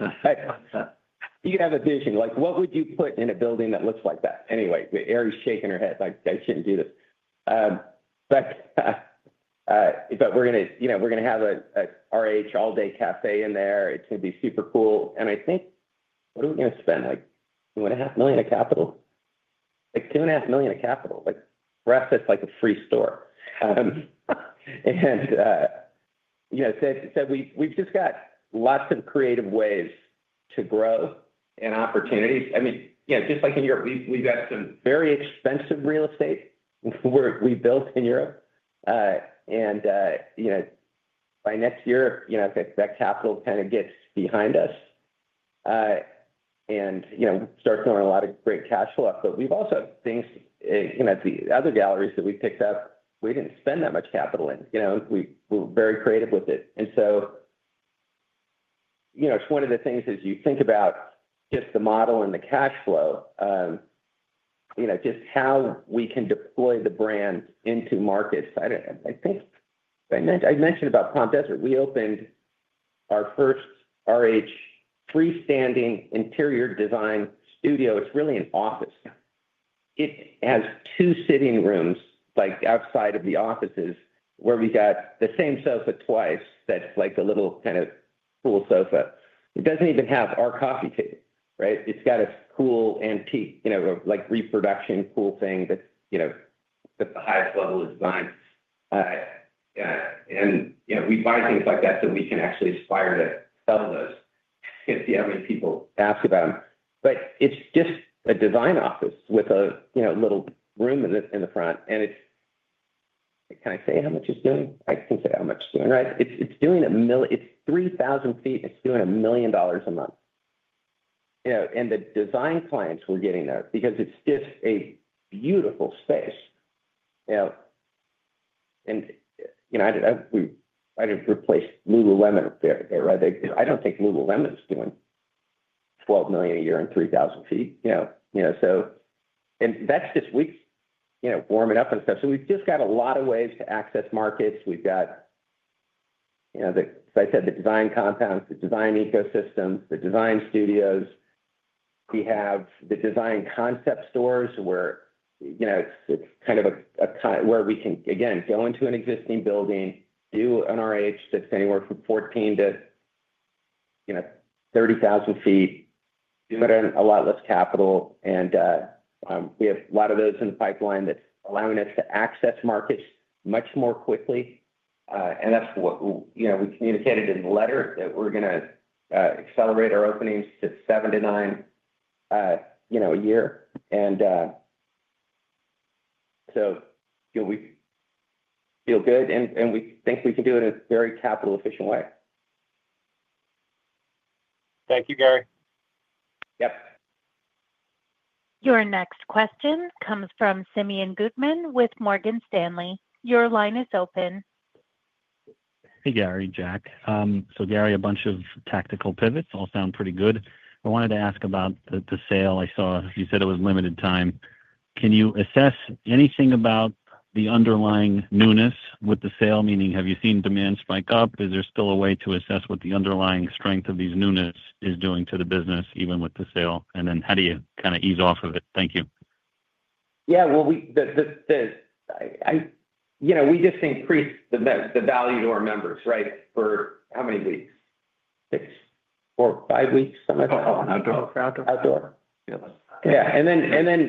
have a vision like what would you put in a building that looks like that anyway? Ari's shaking her head like I shouldn't do this but. We're going to, you know, we're going to have a RH all day cafe in there. It's going to be super cool. I think what are we going to spend? Like $2.5 million of capital. Like $2.5 million of capital. Rest is like a free store. We've just got lots of creative ways to grow and opportunities. I mean, just like in Europe we've got some very expensive real estate we built in Europe. By next year that capital kind of gets behind us and starts throwing a lot of great cash flow. We've also got things at the other galleries that we picked up we didn't spend that much capital in. We were very creative with it. It's one of the things, as you think about just the model and the cash flow, just how we can deploy the brand into markets. I think I mentioned about Palm Desert. We opened our first RH freestanding interior design studio. It's really an office. It has two sitting rooms, like outside of the offices, where we got the same sofa twice. That's like the little kind of cool sofa. It doesn't even have our coffee table right. It's got a cool antique, you know, like, reproduction pool thing that, you know, the highest level is fine. And we find things like that. So we can actually aspire to sell this. How many people ask about them? But it's just a design office with a little room in the front. It's. Can I say how much it's doing? I can say how much it's doing. It's 3,000 sq ft. It's doing $1 million a month. And the design clients were getting there because it's just a beautiful space. And we might have replaced Lululemon. I do not think Lululemon is doing $12 million a year in 3,000 sq ft, you know. You know, so. And that is just weeks, you know, warming up and stuff. We have just got a lot of ways to access markets. We have got, you know, as I said, the design compounds, the design ecosystem, the design studios. We have the design concept stores where, you know, it is kind of a, where we can again, go into an existing building, do an RH that is anywhere from 14,000 sq ft to, you know, 30,000 sq ft. A lot less capital, and we have a lot of those in the pipeline that is allowing us to access markets much more quickly. That is what, you know, we communicated in the letter that we are going to accelerate our openings to seven to nine a year, and so feel good. We think we can do it in a very capital efficient way. Thank you, Gary. Yep. Your next question comes from Simeon Gutman with Morgan Stanley. Your line is open. Hey, Gary. Jack. Gary, a bunch of tactical pivots all sound pretty good. I wanted to ask about the sale. I saw you said it was limited time. Can you assess anything about the underlying newness with the sale? Meaning, have you seen demand spike up? Is there still a way to assess what the underlying strength of these newness is doing to the business, even with the sale? How do you kind of ease off of it? Thank you. Yeah, you know, we just increased the value to our members. Right. For how many weeks or five weeks outdoor? Yeah, yeah.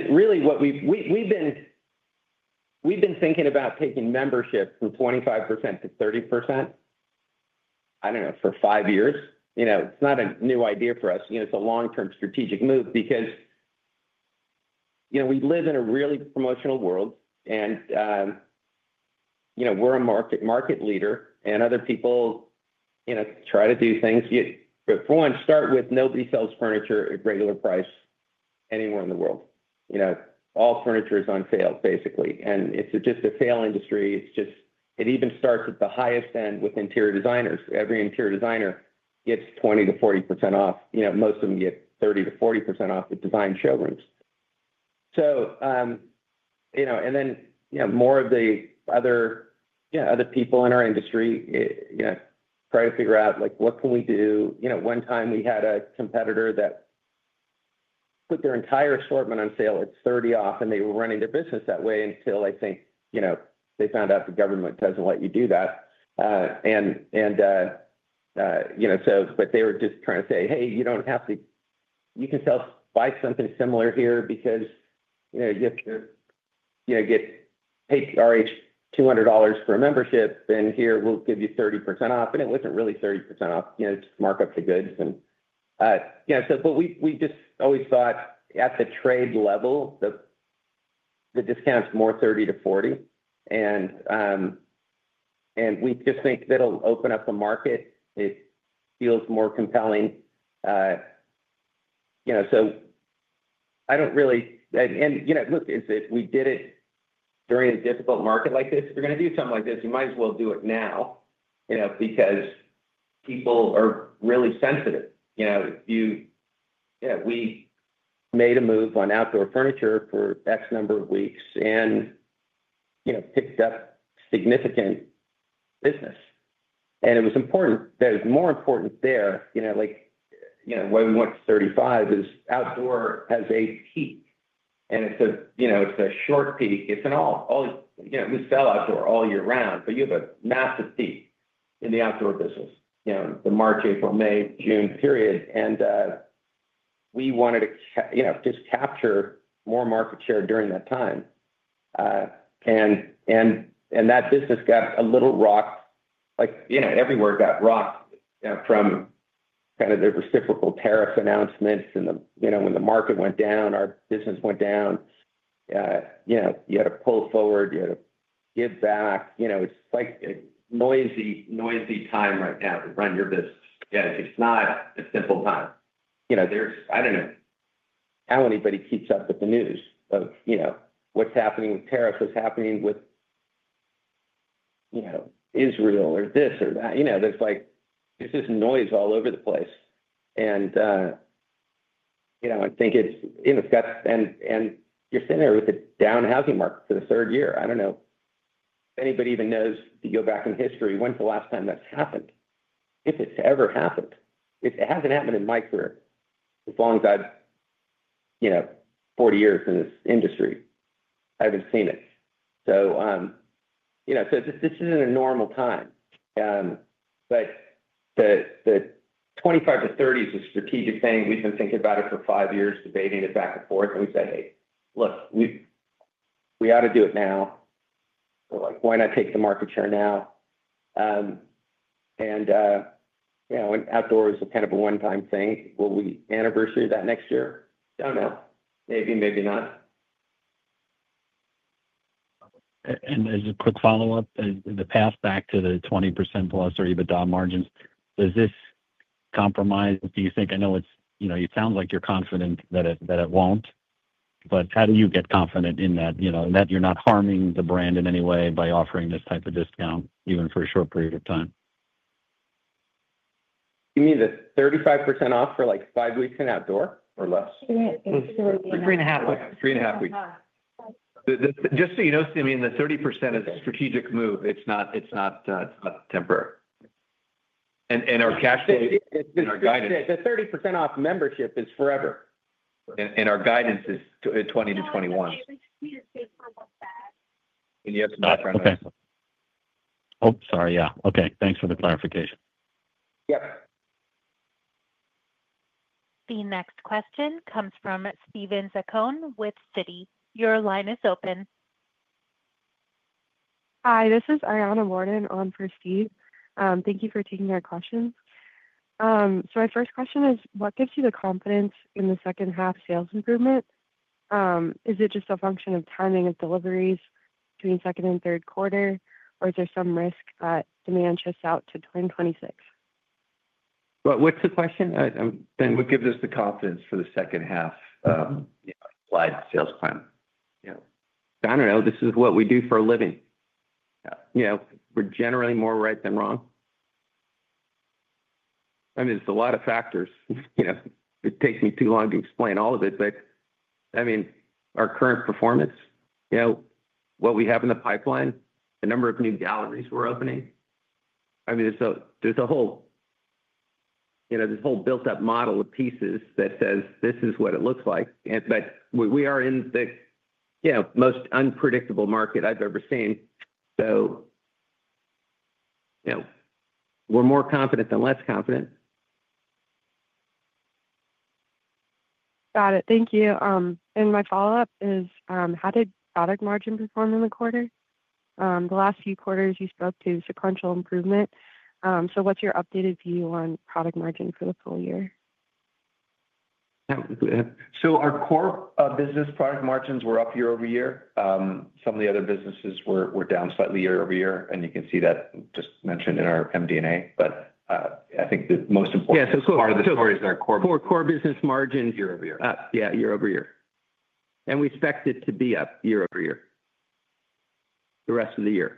Really what we, we've been, we've been thinking about taking membership from 25% to 30%, I do not know, for five years. You know, it is not a new idea for us. You know, it's a long term strategic move because you know, we live in a really promotional world and you know, we're a market, market leader and other people, you know, try to do things yet but for one, start with nobody sells furniture at regular price anywhere in the world. You know, all furniture is on sale basically. And it's just a sale industry. It's just, it even starts at the highest end with interior designers. Every interior designer gets 20%-40% off. You know, most of them get 30%-40% off with design showrooms. So, you know, and then you know, more of the other. Yeah, other people in our industry, you know, try to figure out like what can we do? You know, one time we had a competitor that put their entire assortment on sale. It's 30% off. They were running their business that way until, I think, you know, they found out the government does not let you do that. You know, they were just trying to say, hey, you do not have to, you can sell, buy something similar here because, you know, you have to, you know, get paid $200 for a membership and here we will give you 30% off. It was not really 30% off, you know, just mark up the goods and, you know. We just always thought at the trade level, the discount is more 30-40% and we just think that will open up the market. It feels more compelling, you know, so I do not really. You know, look, is it, we did it during a difficult market like this. If you're going to do something like this, you might as well do it now, you know, because people are really sensitive, you know. Yeah, we made a move on outdoor furniture for X number of weeks and, you know, picked up significant business and it was important. There's more important there, you know, like, you know, when we went to 35, outdoor has a peak and it's a short peak. We sell outdoor all year round, but you have a massive peak in the outdoor business, the March, April, May, June period. We wanted to just capture more market share during that time. That business got a little rocked everywhere. Got rocked from the reciprocal tariff announcements and, when the market went down, our business went down. You had to pull forward, you had to give back. It's like a noisy, noisy time right now to run your business. It's not a simple time. I don't know how anybody keeps up with the news of what's happening with tariffs, what's happening with Israel or this or that. This is noise all over the place. And you know, I think it's, you know, and you're sitting there with a down housing market for the third year. I don't know if anybody even knows. If you go back in history, when's the last time that's happened, if it's ever happened? It hasn't happened in my career. As long as I've, you know, 40 years in this industry, I haven't seen it. This isn't a normal time, but the 25-30 is a strategic thing. We've been thinking about it for five years, debating it back and forth and we say, hey, look, we ought to do it now. Why not take the market share now? Outdoors is kind of a one time thing. Will we anniversary that next year? Don't know, maybe, maybe not. As a quick follow up, the path back to the 20%+ or EBITDA margins. Does this compromise, do you think? I know it's, you know, it sounds like you're confident that it, that it won't, but how do you get confident in that, you know, that you're not harming the brand in any way by offering this type of discount even for a short period of time. You mean the 35% off for like five weeks in outdoor or less? Three and a half. Three and a half weeks. Just so you know, Simeon, the 30% is a strategic move. It's not, it's not temporary. Our cash flow, the 30% off membership, is forever. Our guidance is 20%-21%. Okay. Oh, sorry. Yeah. Okay. Thanks for the clarification. Yep. The next question comes from Steven Zaccone with Citi. Your line is open. Hi, this is Ariana Warden on for Steve. Thank you for taking our questions. My first question is, what gives you the confidence in the second half sales improvement? Is it just a function of timing of deliveries between second and third quarter or is there some risk that demand shifts out to 2026? What's the question then? What gives us the confidence for the second half sales plan? I don't know. This is what we do for a living. We're generally more right than wrong. I mean, it's a lot of factors. It takes me too long to explain all of it. I mean, our current performance, you know, what we have in the pipeline, the number of new galleries we're opening, I mean, there's a whole, you know, this whole built up model of pieces that says this is what it looks like. We are in the, you know, most unpredictable market I've ever seen. You know, we're more confident than less confident. Got it, thank you. My follow up is how did. Product margin performed in the quarter. Last few quarters you spoke to sequential improvement. What's your updated view on product margin for the full year? Our core business product margins were up year over year. Some of the other businesses were down slightly year over year. You can see that just mentioned in our MD&A. I think the most important part of the story is our core core business margins year over year. Year over year. We expect it to be up year over year the rest of the year.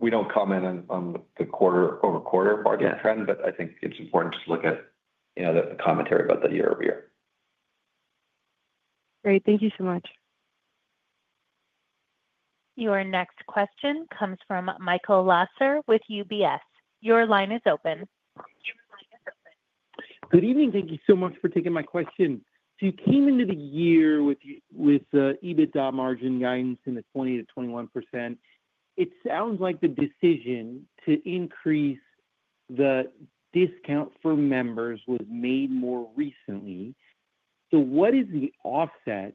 We do not comment on the quarter over quarter margin trend, but I think it is important to look at the commentary about that year over year. Great, thank you so much. Your next question comes from Michael Lasser with UBS. Your line is open. Good evening. Thank you so much for taking my question. You came into the year with EBITDA margin guidance in the 20-21%. It sounds like the decision to increase the discount for members was made more recently. What is the offset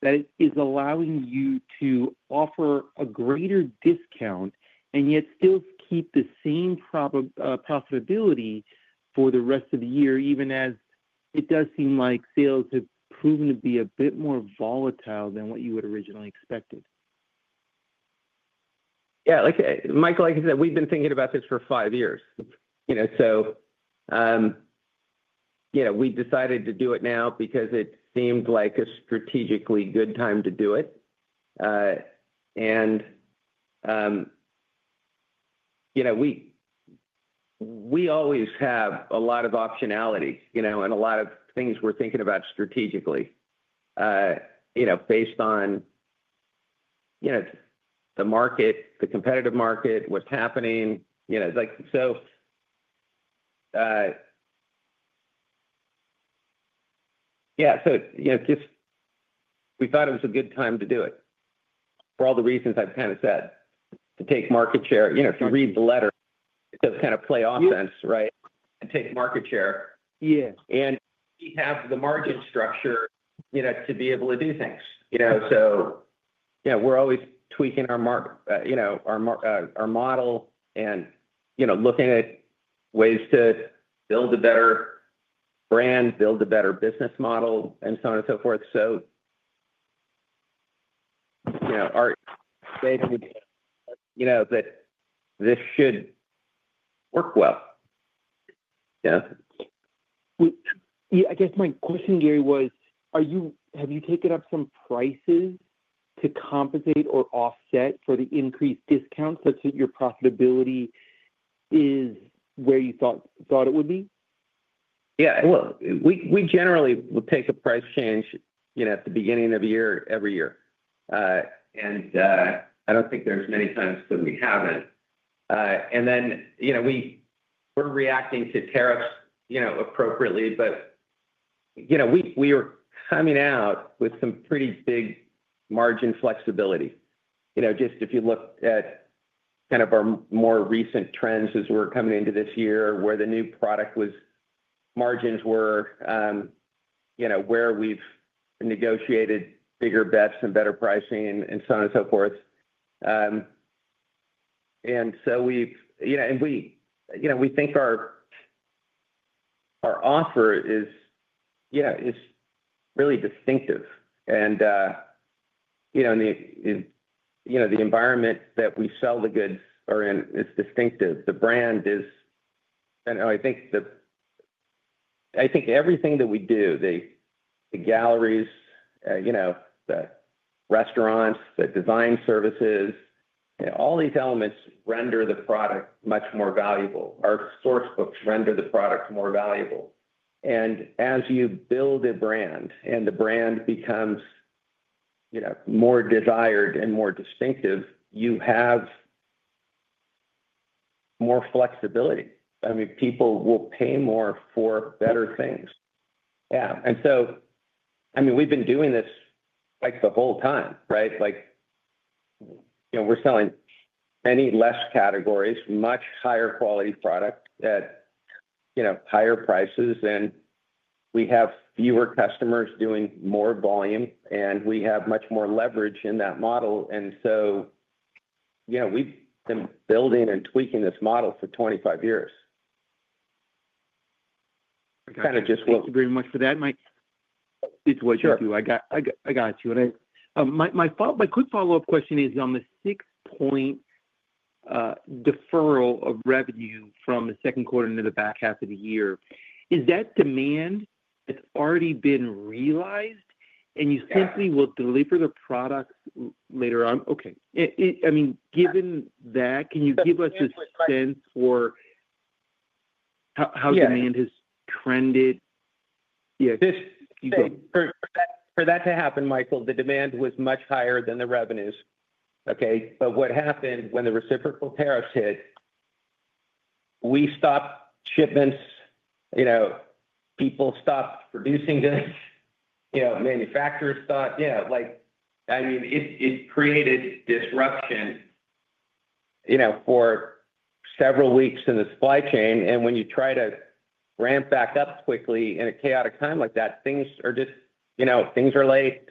that is allowing you to offer a greater discount and yet still keep the same profitability for the rest of the year, even as it does seem like sales have proven to be a bit more volatile than what you had originally expected? Yeah, Michael, like I said, we've been thinking about this for five years. We decided to do it now because it seemed like a strategically good time to do it. You know, we always have a lot of optionality, you know, and a lot of things we're thinking about strategically, you know, based on, you know, the market, the competitive market, what's happening, like so, yeah, so, you know, just we thought it was a good time to do it for all the reasons I've kind of said to take market share, you know, if you read the letter to kind of play offense. Right. And take market share. Yeah. And have the margin structure, you know, to be able to do things, you know. Yeah, we're always tweaking our mark, you know, our model and, you know, looking at ways to build a better brand, build a better business model and so on and so forth. You know, art, you know that this should work well. I guess my question, Gary, was, have you taken up some prices to compensate or offset for the increased discount such that your profitability is where you thought it would be? Yeah, we generally would take a price change at the beginning of the year, every year. I do not think there are many times that we have not. You know, we are reacting to tariffs appropriately. We were coming out with some pretty big margin flexibility. Just if you look at kind of our more recent trends as we are coming into this year, where the new product was, margins were where we have negotiated bigger bets and better pricing and so on and so forth. We, you know, we think our offer is, you know, is really distinctive. You know, the environment that we sell the goods are in is distinctive. The brand is, I think everything that we do, the galleries, you know, the restaurants, the design services, all these elements render the product much more valuable. Our source books render the product more valuable. As you build a brand and the brand becomes more desired and more distinctive, you have more flexibility. I mean, people will pay more for better things. Yeah. I mean, we've been doing this like the whole time, right? Like, we're selling many less categories, much higher quality product at, you know, higher prices and we have fewer customers doing more volume and we have much more leverage in that model. Yeah, we've been building and tweaking this model for 25 years. Kind of just. Thank you very much for that, Mike. It's what you do. I got you. I thought. My quick follow-up question is on the 6 point deferral of revenue from the second quarter into the back half of the year. Is that demand that's already been realized and you simply will deliver the product later on? Okay. I mean, given that, can you give us a sense for how demand has trended? Yeah, for that to happen, Michael, the demand was much higher than the revenues. Okay. What happened when the reciprocal tariffs hit? We stopped shipments. You know, people stopped producing goods. You know, manufacturers thought, yeah, like, I mean, it created disruption, you know, for several weeks in the supply chain. When you try to ramp back up quickly in a chaotic time like that, things are just, you know, things are late,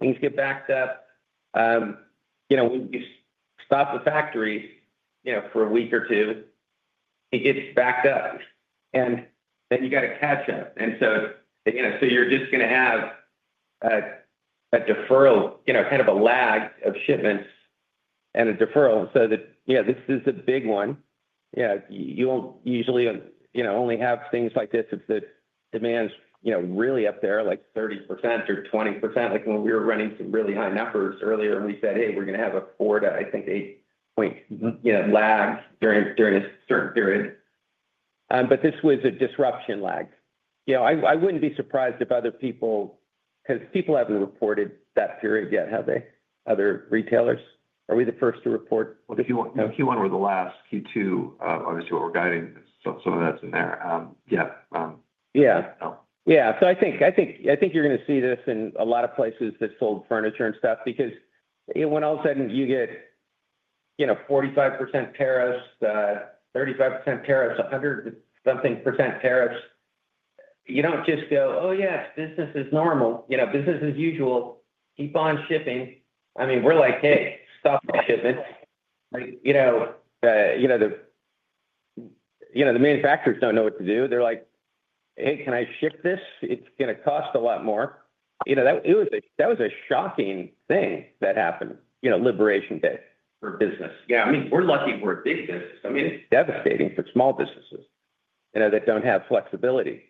things get backed up. You know, when you stop the factory for a week or two, it gets backed up and then you got to catch up. You are just going to have a deferral, you know, kind of a lag of shipments and a deferral. Yeah, this is a big one. You will not usually only have things like this if the demand is really up there, like 30% or 20%. Like when we were running some really high numbers earlier, we said, hey, we are going to have a four to eight point lag during a certain period. This was a disruption lag. I wouldn't be surprised if other people, because people haven't reported that period yet, have they? Other retailers. Are we the first to report Q1, were the last Q2, obviously what we're guiding. Some of that's in there. Yeah, Yeah, yeah. I think you're going to see this in a lot of places that sold furniture and stuff because when all of a sudden you get, you know, 45% tariffs, 35% tariffs, 100 something percent tariffs, you don't just go, oh yes, business is normal, you know, business as usual, keep on shipping. I mean, we're like, hey, stop shipments. You know, the manufacturers don't know what to do. They're like, hey, can I ship this? It's going to cost a lot more. You know, that was a shocking thing that happened, you know, Liberation day for business. Yeah, I mean we're lucky we're a big business. I mean it's devastating for small businesses, you know, that don't have flexibility.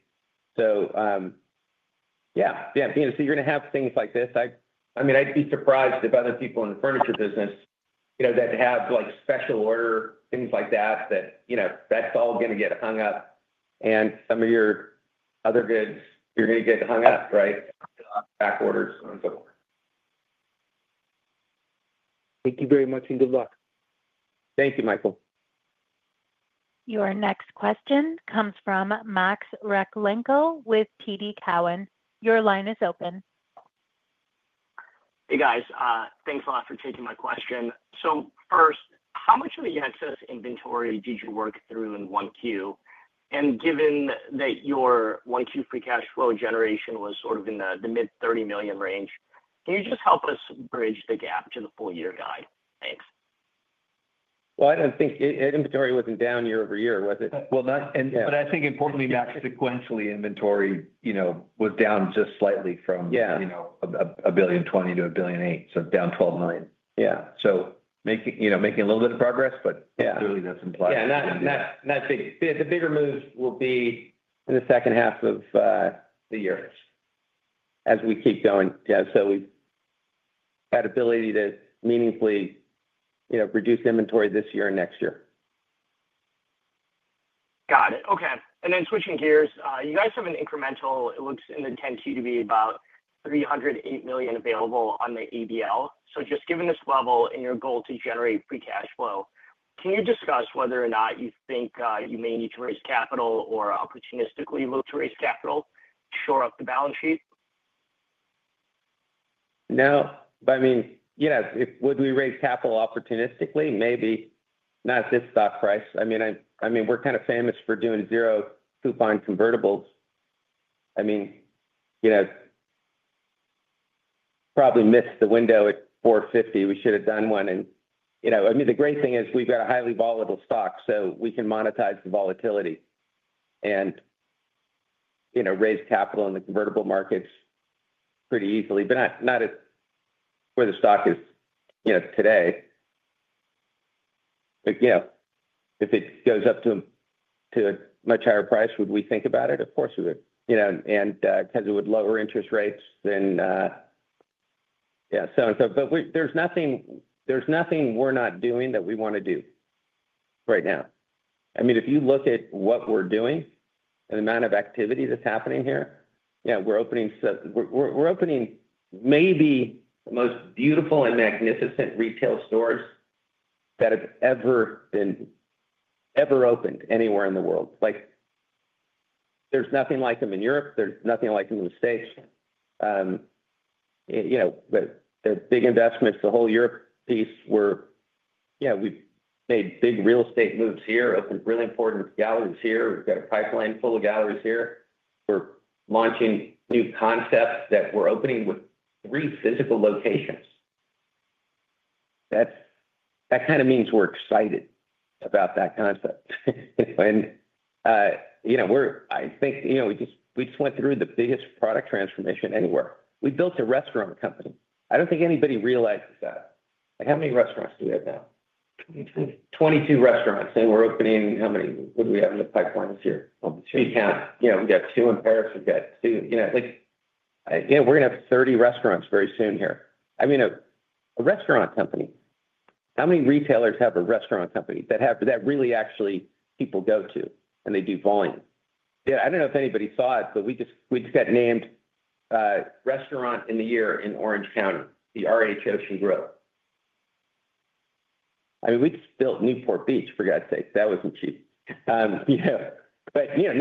Yeah, you're going to have things like this. I mean, I'd be surprised if other people in the furniture business, you know, that have like special order things like that, you know, that's all going to get hung up and some of your other goods, you're going to get hung up, right, back orders and so forth. Thank you very much and good luck. Thank you. Michael. Your next question comes from Max Rakhlenko with TD Cowen. Your line is open. Hey guys, thanks a lot for taking my question. First, how much of the excess inventory did you work through in 1Q? Given that your 1Q free cash flow generation was sort of in the mid $30 million range, can you just help us bridge the gap to the full year guide? Thanks. I do not think inventory was down year over year, was it? Not, and I think importantly, Max, sequentially inventory, you know, was down just slightly from, you know, $1.020 billion to $1.008 billion. Down $12 million. Yeah. Making, you know, making a little bit of progress, but really that is implied. Yeah. Not big. The bigger moves will be in the second half of the year as we keep going. Yeah. We had ability to meaningfully, you know, reduce inventory this year and next year. Got it. Okay. Switching gears, you guys have an incremental, it looks in the 10-Q to be about $308 million available on the ABL. Just given this level and your goal to generate free cash flow, can you discuss whether or not you think you may need to raise capital or opportunistically look to raise capital, shore up the balance sheet? No, but I mean. Yes. Would we raise capital opportunistically? Maybe not at this stock price. I mean, we're kind of famous for doing zero coupon convertibles. You know, probably missed the window at $450. We should have done one. The great thing is we've got a highly volatile stock, so we can monetize the volatility and raise capital in the convertible markets pretty easily, but not at where the stock is today. If it goes up to a much higher price, would we think about it? Of course. Because it would lower interest rates then. Yeah, so. But there's nothing. There's nothing we're not doing that we want to do right now. I mean, if you look at what we're doing and the amount of activity that's happening here. Yeah, we're opening. We're opening maybe the most beautiful and magnificent retail stores that have ever been. Ever opened anywhere in the world. Like, there's nothing like them in Europe. There's nothing like in the States. You know, big investments. The whole Europe piece, we're. Yeah, we made big real estate moves here, opened really important galleries here. We've got a pipeline full of galleries here for launching new concepts that we're opening with three physical locations. That kind of means we're excited about that concept. And, you know, we're. I think, you know, we just. We just went through the biggest product transformation anywhere. We built a restaurant company. I don't think anybody realizes that. Like, how many restaurants do we have now? Twenty-two restaurants. And we're opening how many. What do we have in the pipeline this year? You know, we got two in Paris. We've got two, you know, like, we're gonna have 30 restaurants very soon here. I mean, a restaurant company. How many retailers have a restaurant company that have that really. Actually, people go to and they do volume. Yeah. I don't know if anybody saw it, but we just. We just got named restaurant in the year in Orange County, the RH Ocean Grill. I mean we just built Newport Beach for God's sake. That wasn't cheap. No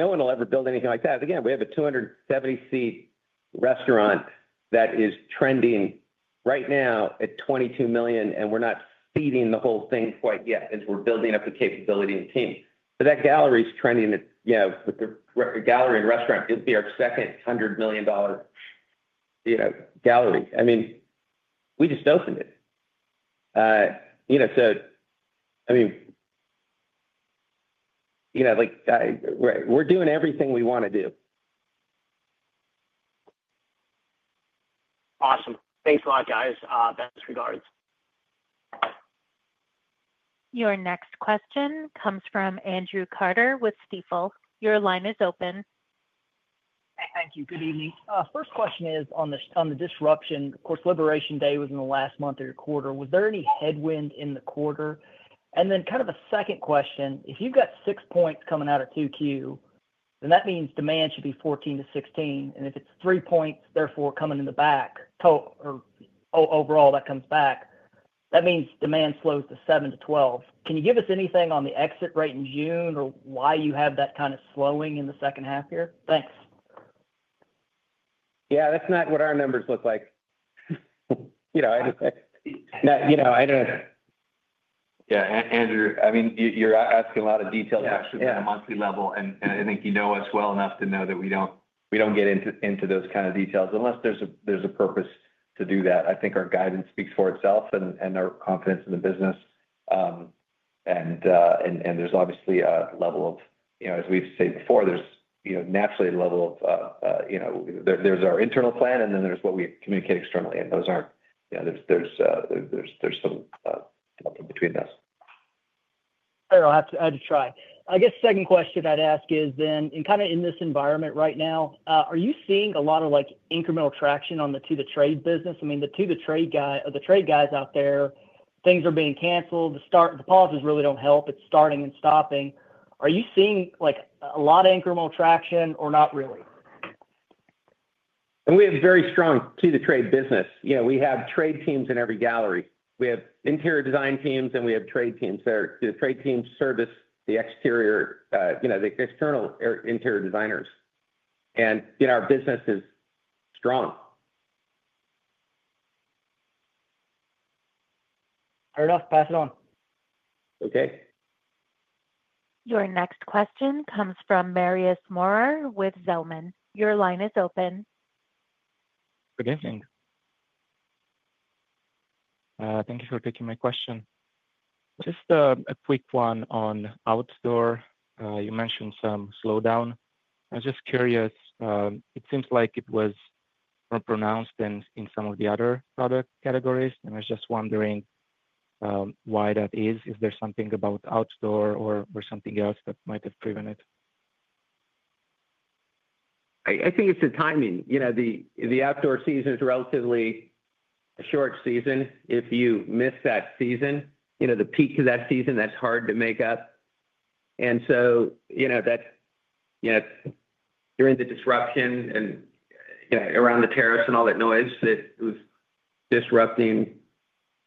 one will ever build anything like that again. We have a 270 seat restaurant that is trending right now at $22 million. We're not feeding the whole thing quite yet as we're building up the capability and team. That gallery is trending with the gallery and restaurant. It'd be our second $100 million gallery. We just opened it, you know, so I mean, you know, like we're doing everything we want to do. Awesome. Thanks a lot, guys. Best regards. Your next question comes from Andrew Carter with Stifel. Your line is open. Thank you. Good evening. First question is on this, on the disruption, of course. Liberation Day was in the last month of your quarter. Was there any headwind in the quarter? Kind of a second question. If you've got six points coming out of 2Q, that means demand should be 14-16. If it's three points therefore coming in the back overall that comes back, that means demand slows to 7-12. Can you give us anything on the exit rate in June or why you have that kind of slowing in the second half here? Thanks. Yeah, that's not what our numbers look like, you know. You know, I don't, yeah, Andrew, I mean you're asking a lot of detail on a monthly level and I think you know us well enough to know that we don't, we don't get into those kind of details unless there's a purpose to do that. I think our guidance speaks for itself and our confidence in the business, and there's obviously a level of, you know, as we've said before, there's, you know, naturally a level of, you know, there's our internal plan and then there's what we communicate externally and those aren't. Yeah, there's some between us. I'll have to try, I guess. Second question I'd ask is then in kind of in this environment right now, are you seeing a lot of like incremental traction on the, to the trade business? I mean, to the trade guy or the trade guys out there, things are being canceled. The start. The policies really don't help. It's starting and stopping. Are you seeing like a lot of incremental traction or not really? And we have very strong, see the trade business, you know, we have trade teams in every gallery. We have interior design teams and we have trade teams there. The trade team service the exterior, you know, the external interior designers and you know, our business is strong enough. Pass it on. Okay. Your next question comes from Marius Morar with Zelman. Your line is open. Good evening. Thank you for taking my question. Just a quick one. On outdoor, you mentioned some slowdown. I was just curious. It seems like it was more pronounced than in some of the other product categories. I was just wondering why that is. Is there something about outdoor or something else that might have driven it? I think it's the timing. You know, the outdoor season is relatively a short season. If you miss that season, you know, the peak of that season, that's hard to make up. You know, during the disruption and around the terrace and all that noise that was disrupting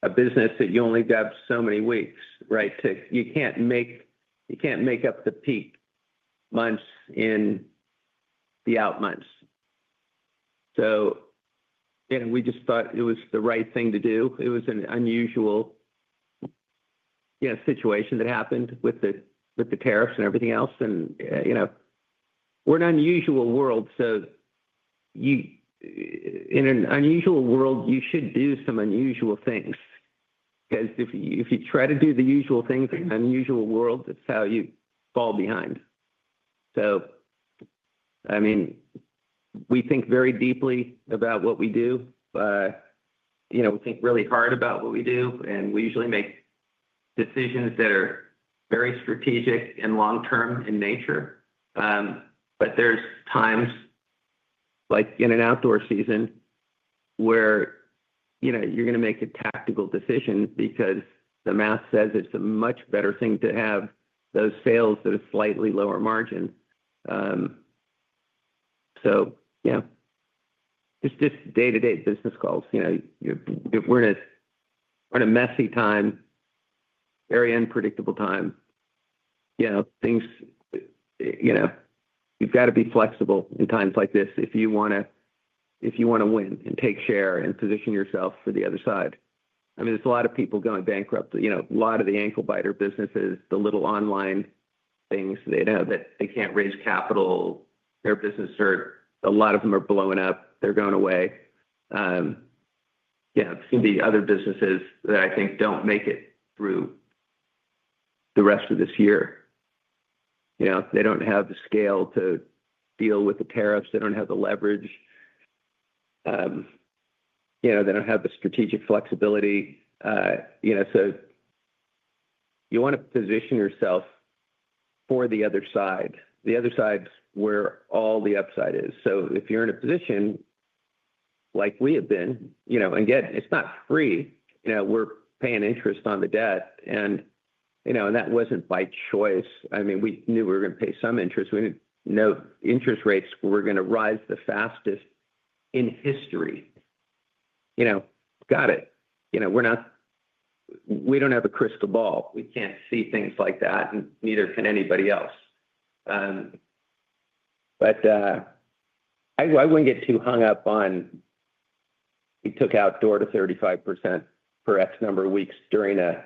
a business that you only got so many weeks right to, you can't make, you can't make up the peak months in the out months. We just thought it was the right thing to do. It was an unusual situation that happened with the tariffs and everything else. We're in an unusual world. In an unusual world, you should do some unusual things because if you try to do the usual things in an unusual world, that's how you fall behind. I mean, we think very deeply about what we do. You know, we think really hard about what we do and we usually make decisions that are very strategic and long term in nature. There are times like in an outdoor season where you know, you're going to make a tactical decision because the math says it's a much better thing to have those sales that are slightly lower margin. Yeah, it's just day to day business calls. You know, we're in a messy time, very unpredictable time. You know, things, you know, you've got to be flexible in times like this if you want to, if you want to win and take share and position yourself for the other side. I mean, there's a lot of people going bankrupt. You know, a lot of the ankle biter businesses, the little online things, they know that they can't raise capital. Their business, a lot of them are blowing up. They're going away. Yeah. See the other businesses that I think don't make it through the rest of this year, you know, they don't have the scale to deal with the tariffs. They don't have the leverage, you know, they don't have the strategic flexibility, you know, so you want to position yourself for the other side. The other side's where all the upside is. If you're in a position like we have been, you know, again, it's not free. You know, we're paying interest on the debt. You know, that wasn't by choice. I mean, we knew we were going to pay some interest. We didn't know interest rates were going to rise the fastest in history. You know, got it. You know, we don't have a crystal ball. We can't see things like that and neither can anybody else. I wouldn't get too hung up on it. Took outdoor to 35% per x number of weeks during an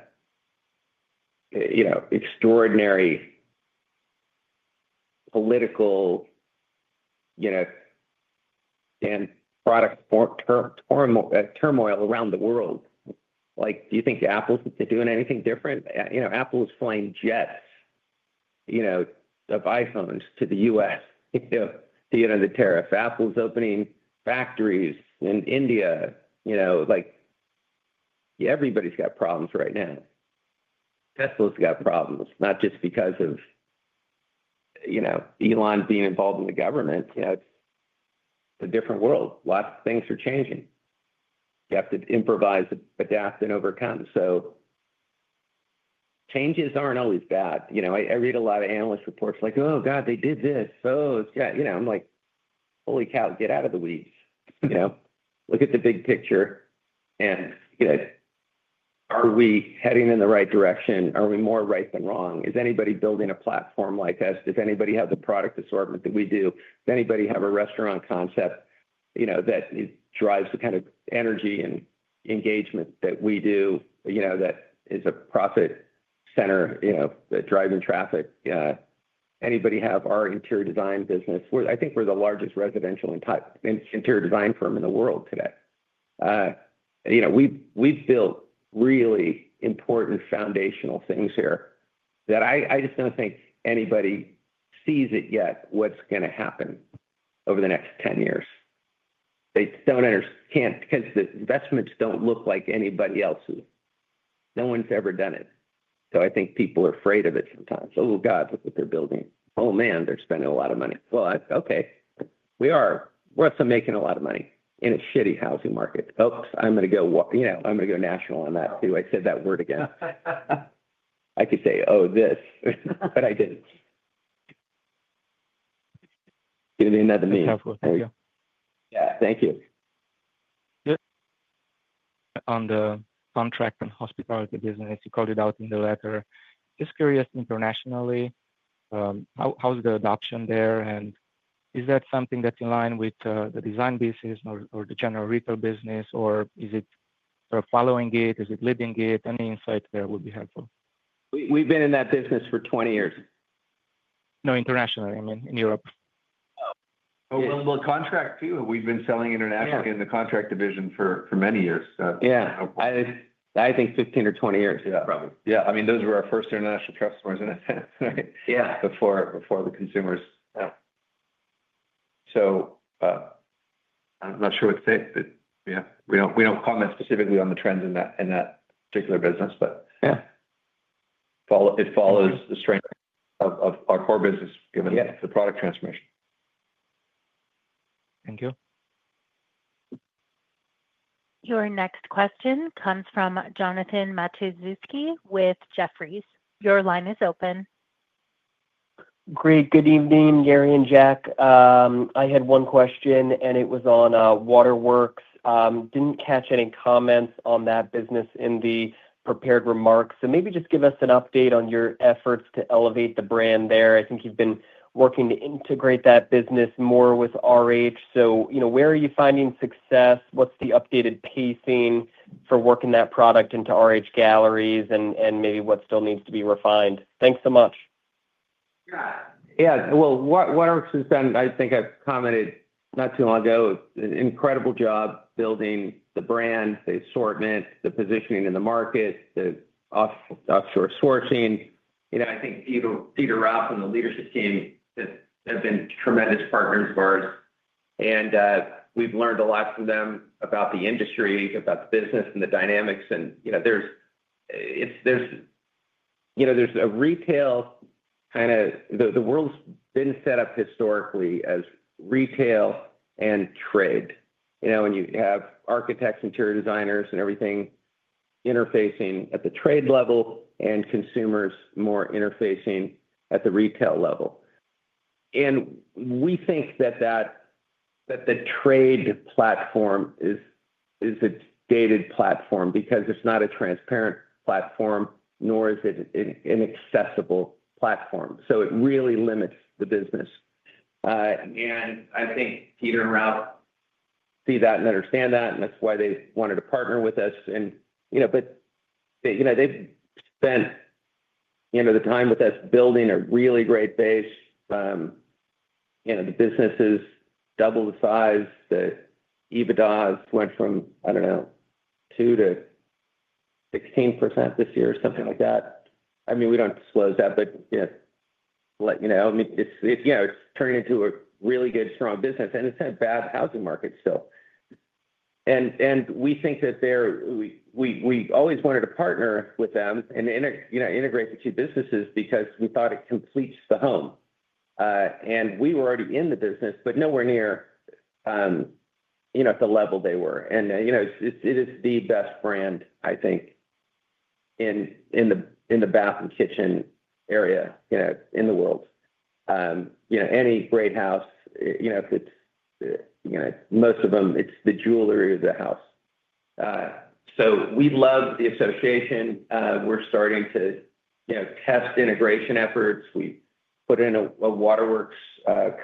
extraordinary political product turmoil around the world. Do you think Apple, they're doing anything different? Apple is flying jets of iPhones to the U.S. for the tariff. Apple's opening factories in India. Everybody's got problems right now. Tesla's got problems. Not just because of Elon being involved in the government. A different world. Lots of things are changing. You have to improvise, adapt and overcome. Changes aren't always bad. You know, I read a lot of analyst reports like, oh, God, they did this. Oh, yeah. You know, I'm like, holy cow, get out of the weeds. You know, look at the big picture. Are we heading in the right direction? Are we more right than wrong? Is anybody building a platform like us? Does anybody have the product assortment that we do? Does anybody have a restaurant concept, you know, that drives the kind of energy and engagement that we do? You know, that is a profit center, you know, driving traffic. Anybody have our interior design business? I think we're the largest residential interior design firm in the world today. You know, we. We've built really important foundational things here that I just don't think anybody sees it yet. What's going to happen over the next 10 years. They don't understand, can't. Because the investments don't look like anybody else's. No one's ever done it, so I think people are afraid of it sometimes. Oh, God, look what they're building. Oh, man, they're spending a lot of money. Okay, we are. We're also making a lot of money in a shitty housing market. Oops, I'm going to go, you know, I'm going to go national on that, too. I said that word again. I could say, oh, this, but I didn't. Give me another meeting. Yeah, thank you. On the contract and hospitality business, you called it out in the letter. Just curious. Internationally, how's the adoption there and is that something that's in line with the design business or the general retail business, or is it following it? Is it leading it? Any insight there would be helpful. We've been in that business for 20 years. No, internationally. I mean, in Europe. Contract too. We've been selling internationally in the contract division for many years. Yeah, I think 15 or 20 years. Yeah, probably. Yeah. I mean, those were our first international customers in a sense. Right. Yeah. Before the consumers. I'm not sure what to say that we don't comment specifically on the trends in that particular business. Yeah, it follows the strength of our core business given the product transformation. Thank you. Your next question comes from Jonathan Matuszewski with Jefferies. Your line is open. Great. Good evening, Gary and Jack. I had one question, and it was on Waterworks. Did not catch any comments on that business in the prepared remarks. Maybe just give us an update on your efforts to elevate the brand there. I think you have been working to integrate that business more with RH. You know, where are you finding success? What is the updated pacing for working that product into RH Galleries and maybe what still needs to be refined. Thanks so much. Yeah. What RH has been, I think I have commented not too long ago, an incredible job building the brand. The assortment, the positioning in the market, the offshore sourcing. You know, I think Peter, Ralph and the leadership team have been tremendous partners of ours, and we have learned a lot from them about the industry, about the business and the dynamics. You know, there's, you know, there's a retail kind of. The world's been set up historically as retail and trade. You know, when you have architects, interior designers and everything interfacing at the trade level and consumers more interfacing at the retail level. We think that the trade platform is a dated platform because it's not a transparent platform, nor is it an accessible platform. It really limits the business. I think Peter and Ralph see that and understand that, and that's why they wanted to partner with us. You know, they've spent the time with us building a really great base. The business is double the size. The EBITDA has went from, I don't know, 2% to 16% this year or something like that. I mean, we do not disclose that, but, you know, it is turning into a really good, strong business. It is a bad housing market still. We think that there. We always wanted to partner with them and integrate the two businesses because we thought it completes the home and we were already in the business, but nowhere near, you know, at the level they were. You know, it is the best brand, I think, in, in the, in the bath and kitchen area, you know, in the world. You know, any great house, you know, it is, you know, most of them, it is the jewelry of the house. We love the association. We are starting to, you know, test integration efforts. We put in a Waterworks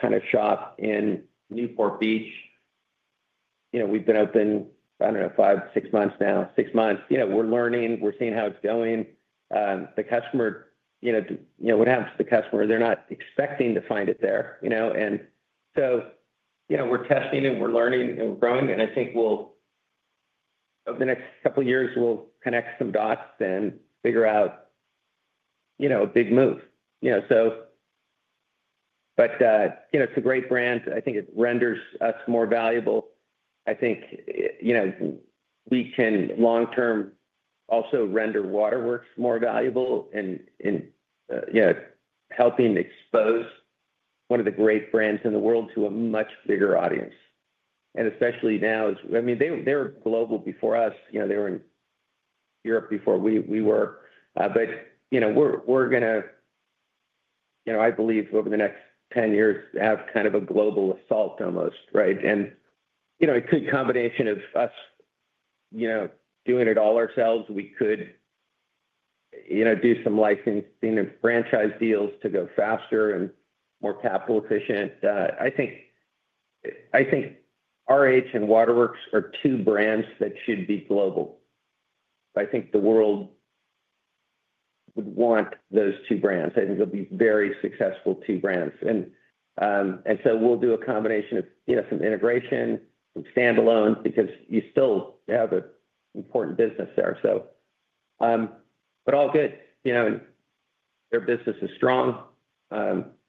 kind of shop in Newport Beach. You know, we have been open, I do not know, five, six months now. Six months. You know, we're learning, we're seeing how it's going. The customer, you know, what happens to the customer. They're not expecting to find it there, you know. You know, we're testing and we're learning and growing. I think we'll, over the next couple years, we'll connect some dots and figure out, you know, a big move, you know. It's a great brand. I think it renders us more valuable. I think, you know, we can long term also render Waterworks more valuable and in, you know, helping expose one of the great brands in the world to a much bigger audience. Especially now. I mean, they were global before us. You know, they were in Europe before we were. You know, we're going to, you know, I believe over the next 10 years have kind of a global assault almost. Right. You know, it could be a combination of us, you know, doing it all ourselves. We could, you know, do some licensing and franchise deals to go faster and more capital efficient. I think RH and Waterworks are two brands that should be global. I think the world would want those two brands. I think they'll be very successful two brands. We'll do a combination of some integration standalone because you still have an important business there. All good. Their business is strong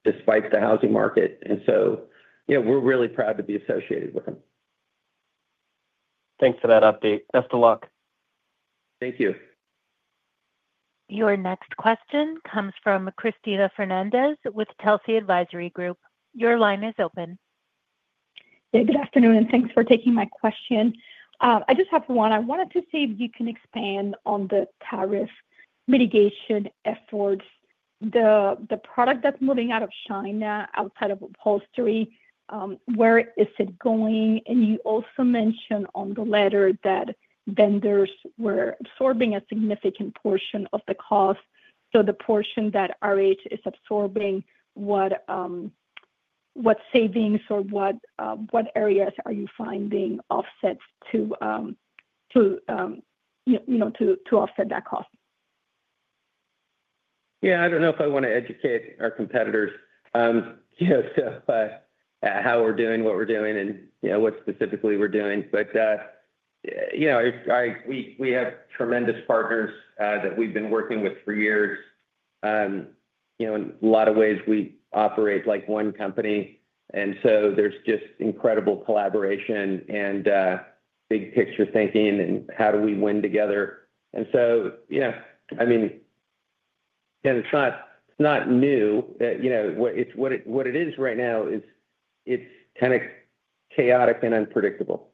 despite the housing market. We're really proud to be associated with them. Thanks for that update. Best of luck. Thank you. Your next question comes from Cristina Fernández with Telsey Advisory Group. Your line is open. Good afternoon and thanks for taking my question. I just have one. I wanted to see if you can expand on the tariff mitigation efforts. The product that's moving out of China, outside of upholstery, where is it going? You also mentioned on the letter that vendors were absorbing a significant portion of the cost. The portion that RH is absorbing, what savings or what areas are you finding offsets to, to, you know, to offset that cost? Yeah, I don't know if I want to educate our competitors how we're doing, what we're doing and what specifically we're doing. You know, we have tremendous partners that we've been working with for years. You know, in a lot of ways, we operate like one company. There is just incredible collaboration and big picture thinking and how do we win together? Yeah, I mean, it's not new. What it is right now is it's kind of chaotic and unpredictable.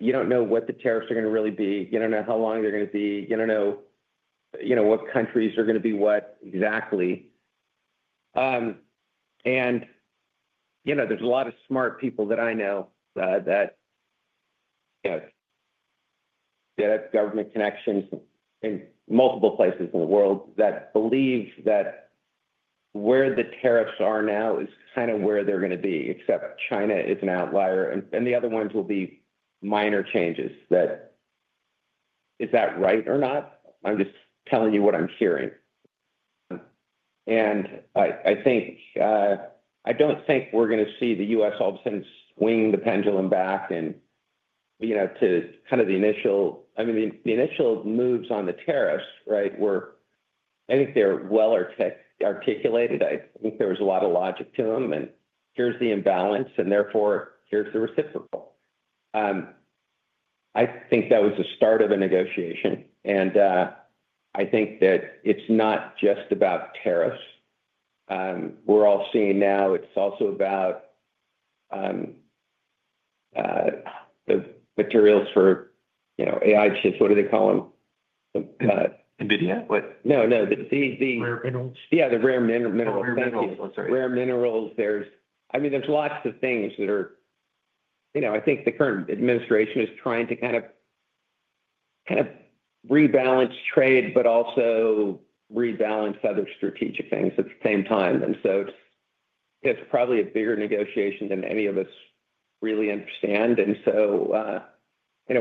You don't know what the tariffs are going to really be. You don't know how long they're going to be. You don't know what countries are going to be, what exactly. There are a lot of smart people that I know that have government connections in multiple places in the world that believe that where the tariffs are now is kind of where they're going to be, except China is an outlier and the other ones will be minor changes. Is that right or not? I'm just telling you what I'm hearing. I think, I don't think we're going to see the U.S. all of a sudden swing the pendulum back and, you know, to kind of the initial, I mean, the initial moves on the tariffs, right, were. I think they're well articulated. I think there was a lot of logic to them. Here's the imbalance and therefore here's the reciprocal. I think that was the start of a negotiation. I think that it's not just about tariffs we're all seeing now. It's also about the materials for AI chips. What do they call them? NVIDIA? No, no. Rare minerals. Yeah, the rare minerals. Rare minerals. I mean, there's lots of things that are. I think the current administration is trying to kind of rebalance trade, but also rebalance other strategic things at the same time. It is probably a bigger negotiation than any of us really understand. You know,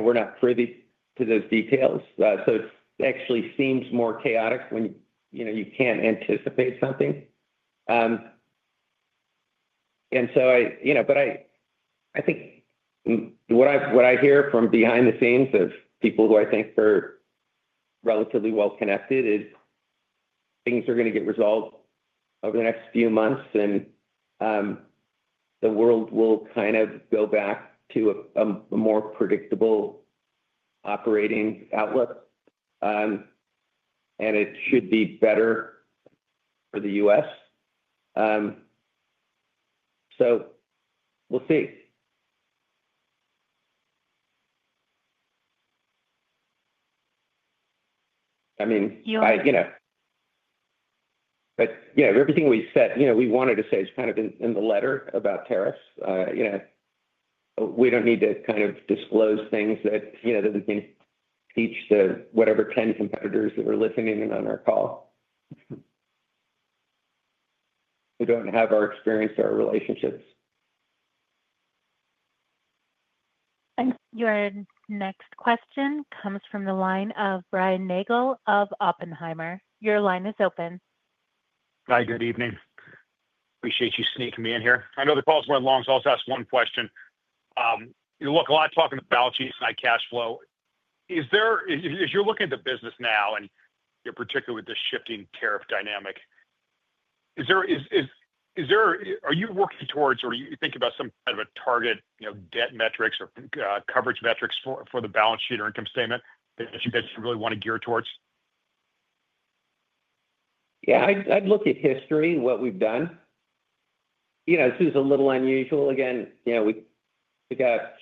we're not privy to those details. It actually seems more chaotic when, you know, you can't anticipate something. I think what I hear from behind the scenes of people who I think are relatively well connected is things are going to get resolved over the next few months and the world will kind of go back to a more predictable operating outlook and it should be better for the U.S., so we'll see. I mean, you know, everything we said, you know, we wanted to say is kind of in the letter about tariffs. You know, we don't need to kind of disclose things that, you know, that we can teach to whatever 10 competitors that are listening and on our call. We don't have our experience or relationships. Your next question comes from the line of Brian Nagel of Oppenheimer. Your line is open. Hi, good evening. Appreciate you sneaking me in here. I know the calls went long, so I'll just ask one question. Look, a lot of talk in the balance sheets. My cash flow is there. As you're looking at the business now, and particularly with the shifting tariff dynamic is there, are you working towards or you think about some kind of a target debt metrics or coverage metrics for the balance sheet or income statement that you really want to gear towards? Yeah, I'd look at history, what we've done. This is a little unusual. Again, we got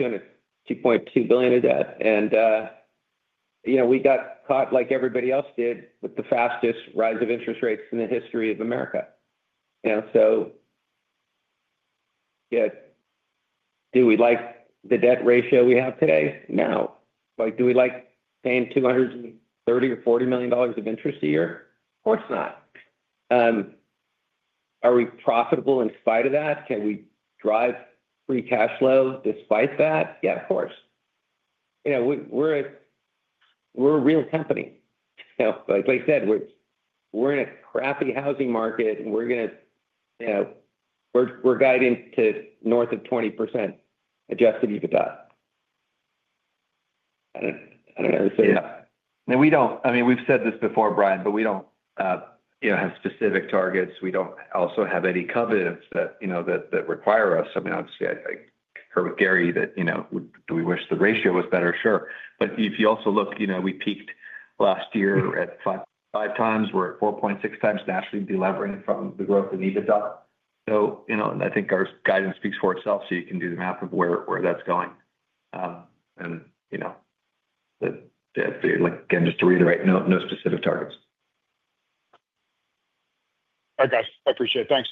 $2.2 billion of debt and we got caught like everybody else did with the fastest rise of interest rates in the history of America. Do we like the debt ratio we have todasy? No. Do we like paying $230 or $240 million of interest a year? Of course not. Are we profitable in spite of that? Can we drive free cash flow despite that? Yeah, of course. You know, we're a real company. Like I said, we're in a crappy housing market and we're going to, you know, we're guiding to north of 20% adjusted EBITDA. I don't know. Now, we don't, I mean, we've said this before, Brian, but we don't, you know, have specific targets. We don't also have any covenants that, you know, require us. I mean, obviously I heard with Gary that, you know, do we wish the ratio was better? Sure. If you also look, you know, we peaked last year at 5 times. We're at 4.6 times, naturally delevering from the growth in EBITDA. I think our guidance speaks for itself. You can do the map of where, where that's going and you know, again, just to reiterate, no specific targets. All right, guys, I appreciate it. Thanks.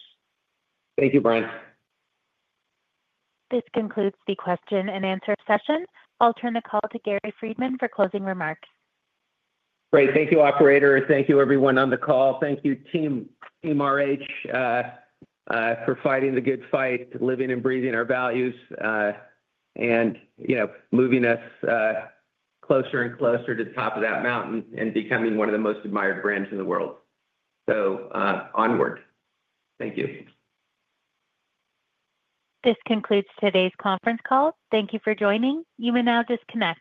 Thank you, Brian. This concludes the question and answer session. I'll turn the call to Gary Friedman for closing remarks. Great. Thank you, operator. Thank you, everyone on the call. Thank you, Team RH, for fighting the good fight, living and breathing our values and moving us closer and closer to the top of that mountain and becoming one of the most admired brands in the world. Onward. Thank you. This concludes today's conference call. Thank you for joining. You may now disconnect.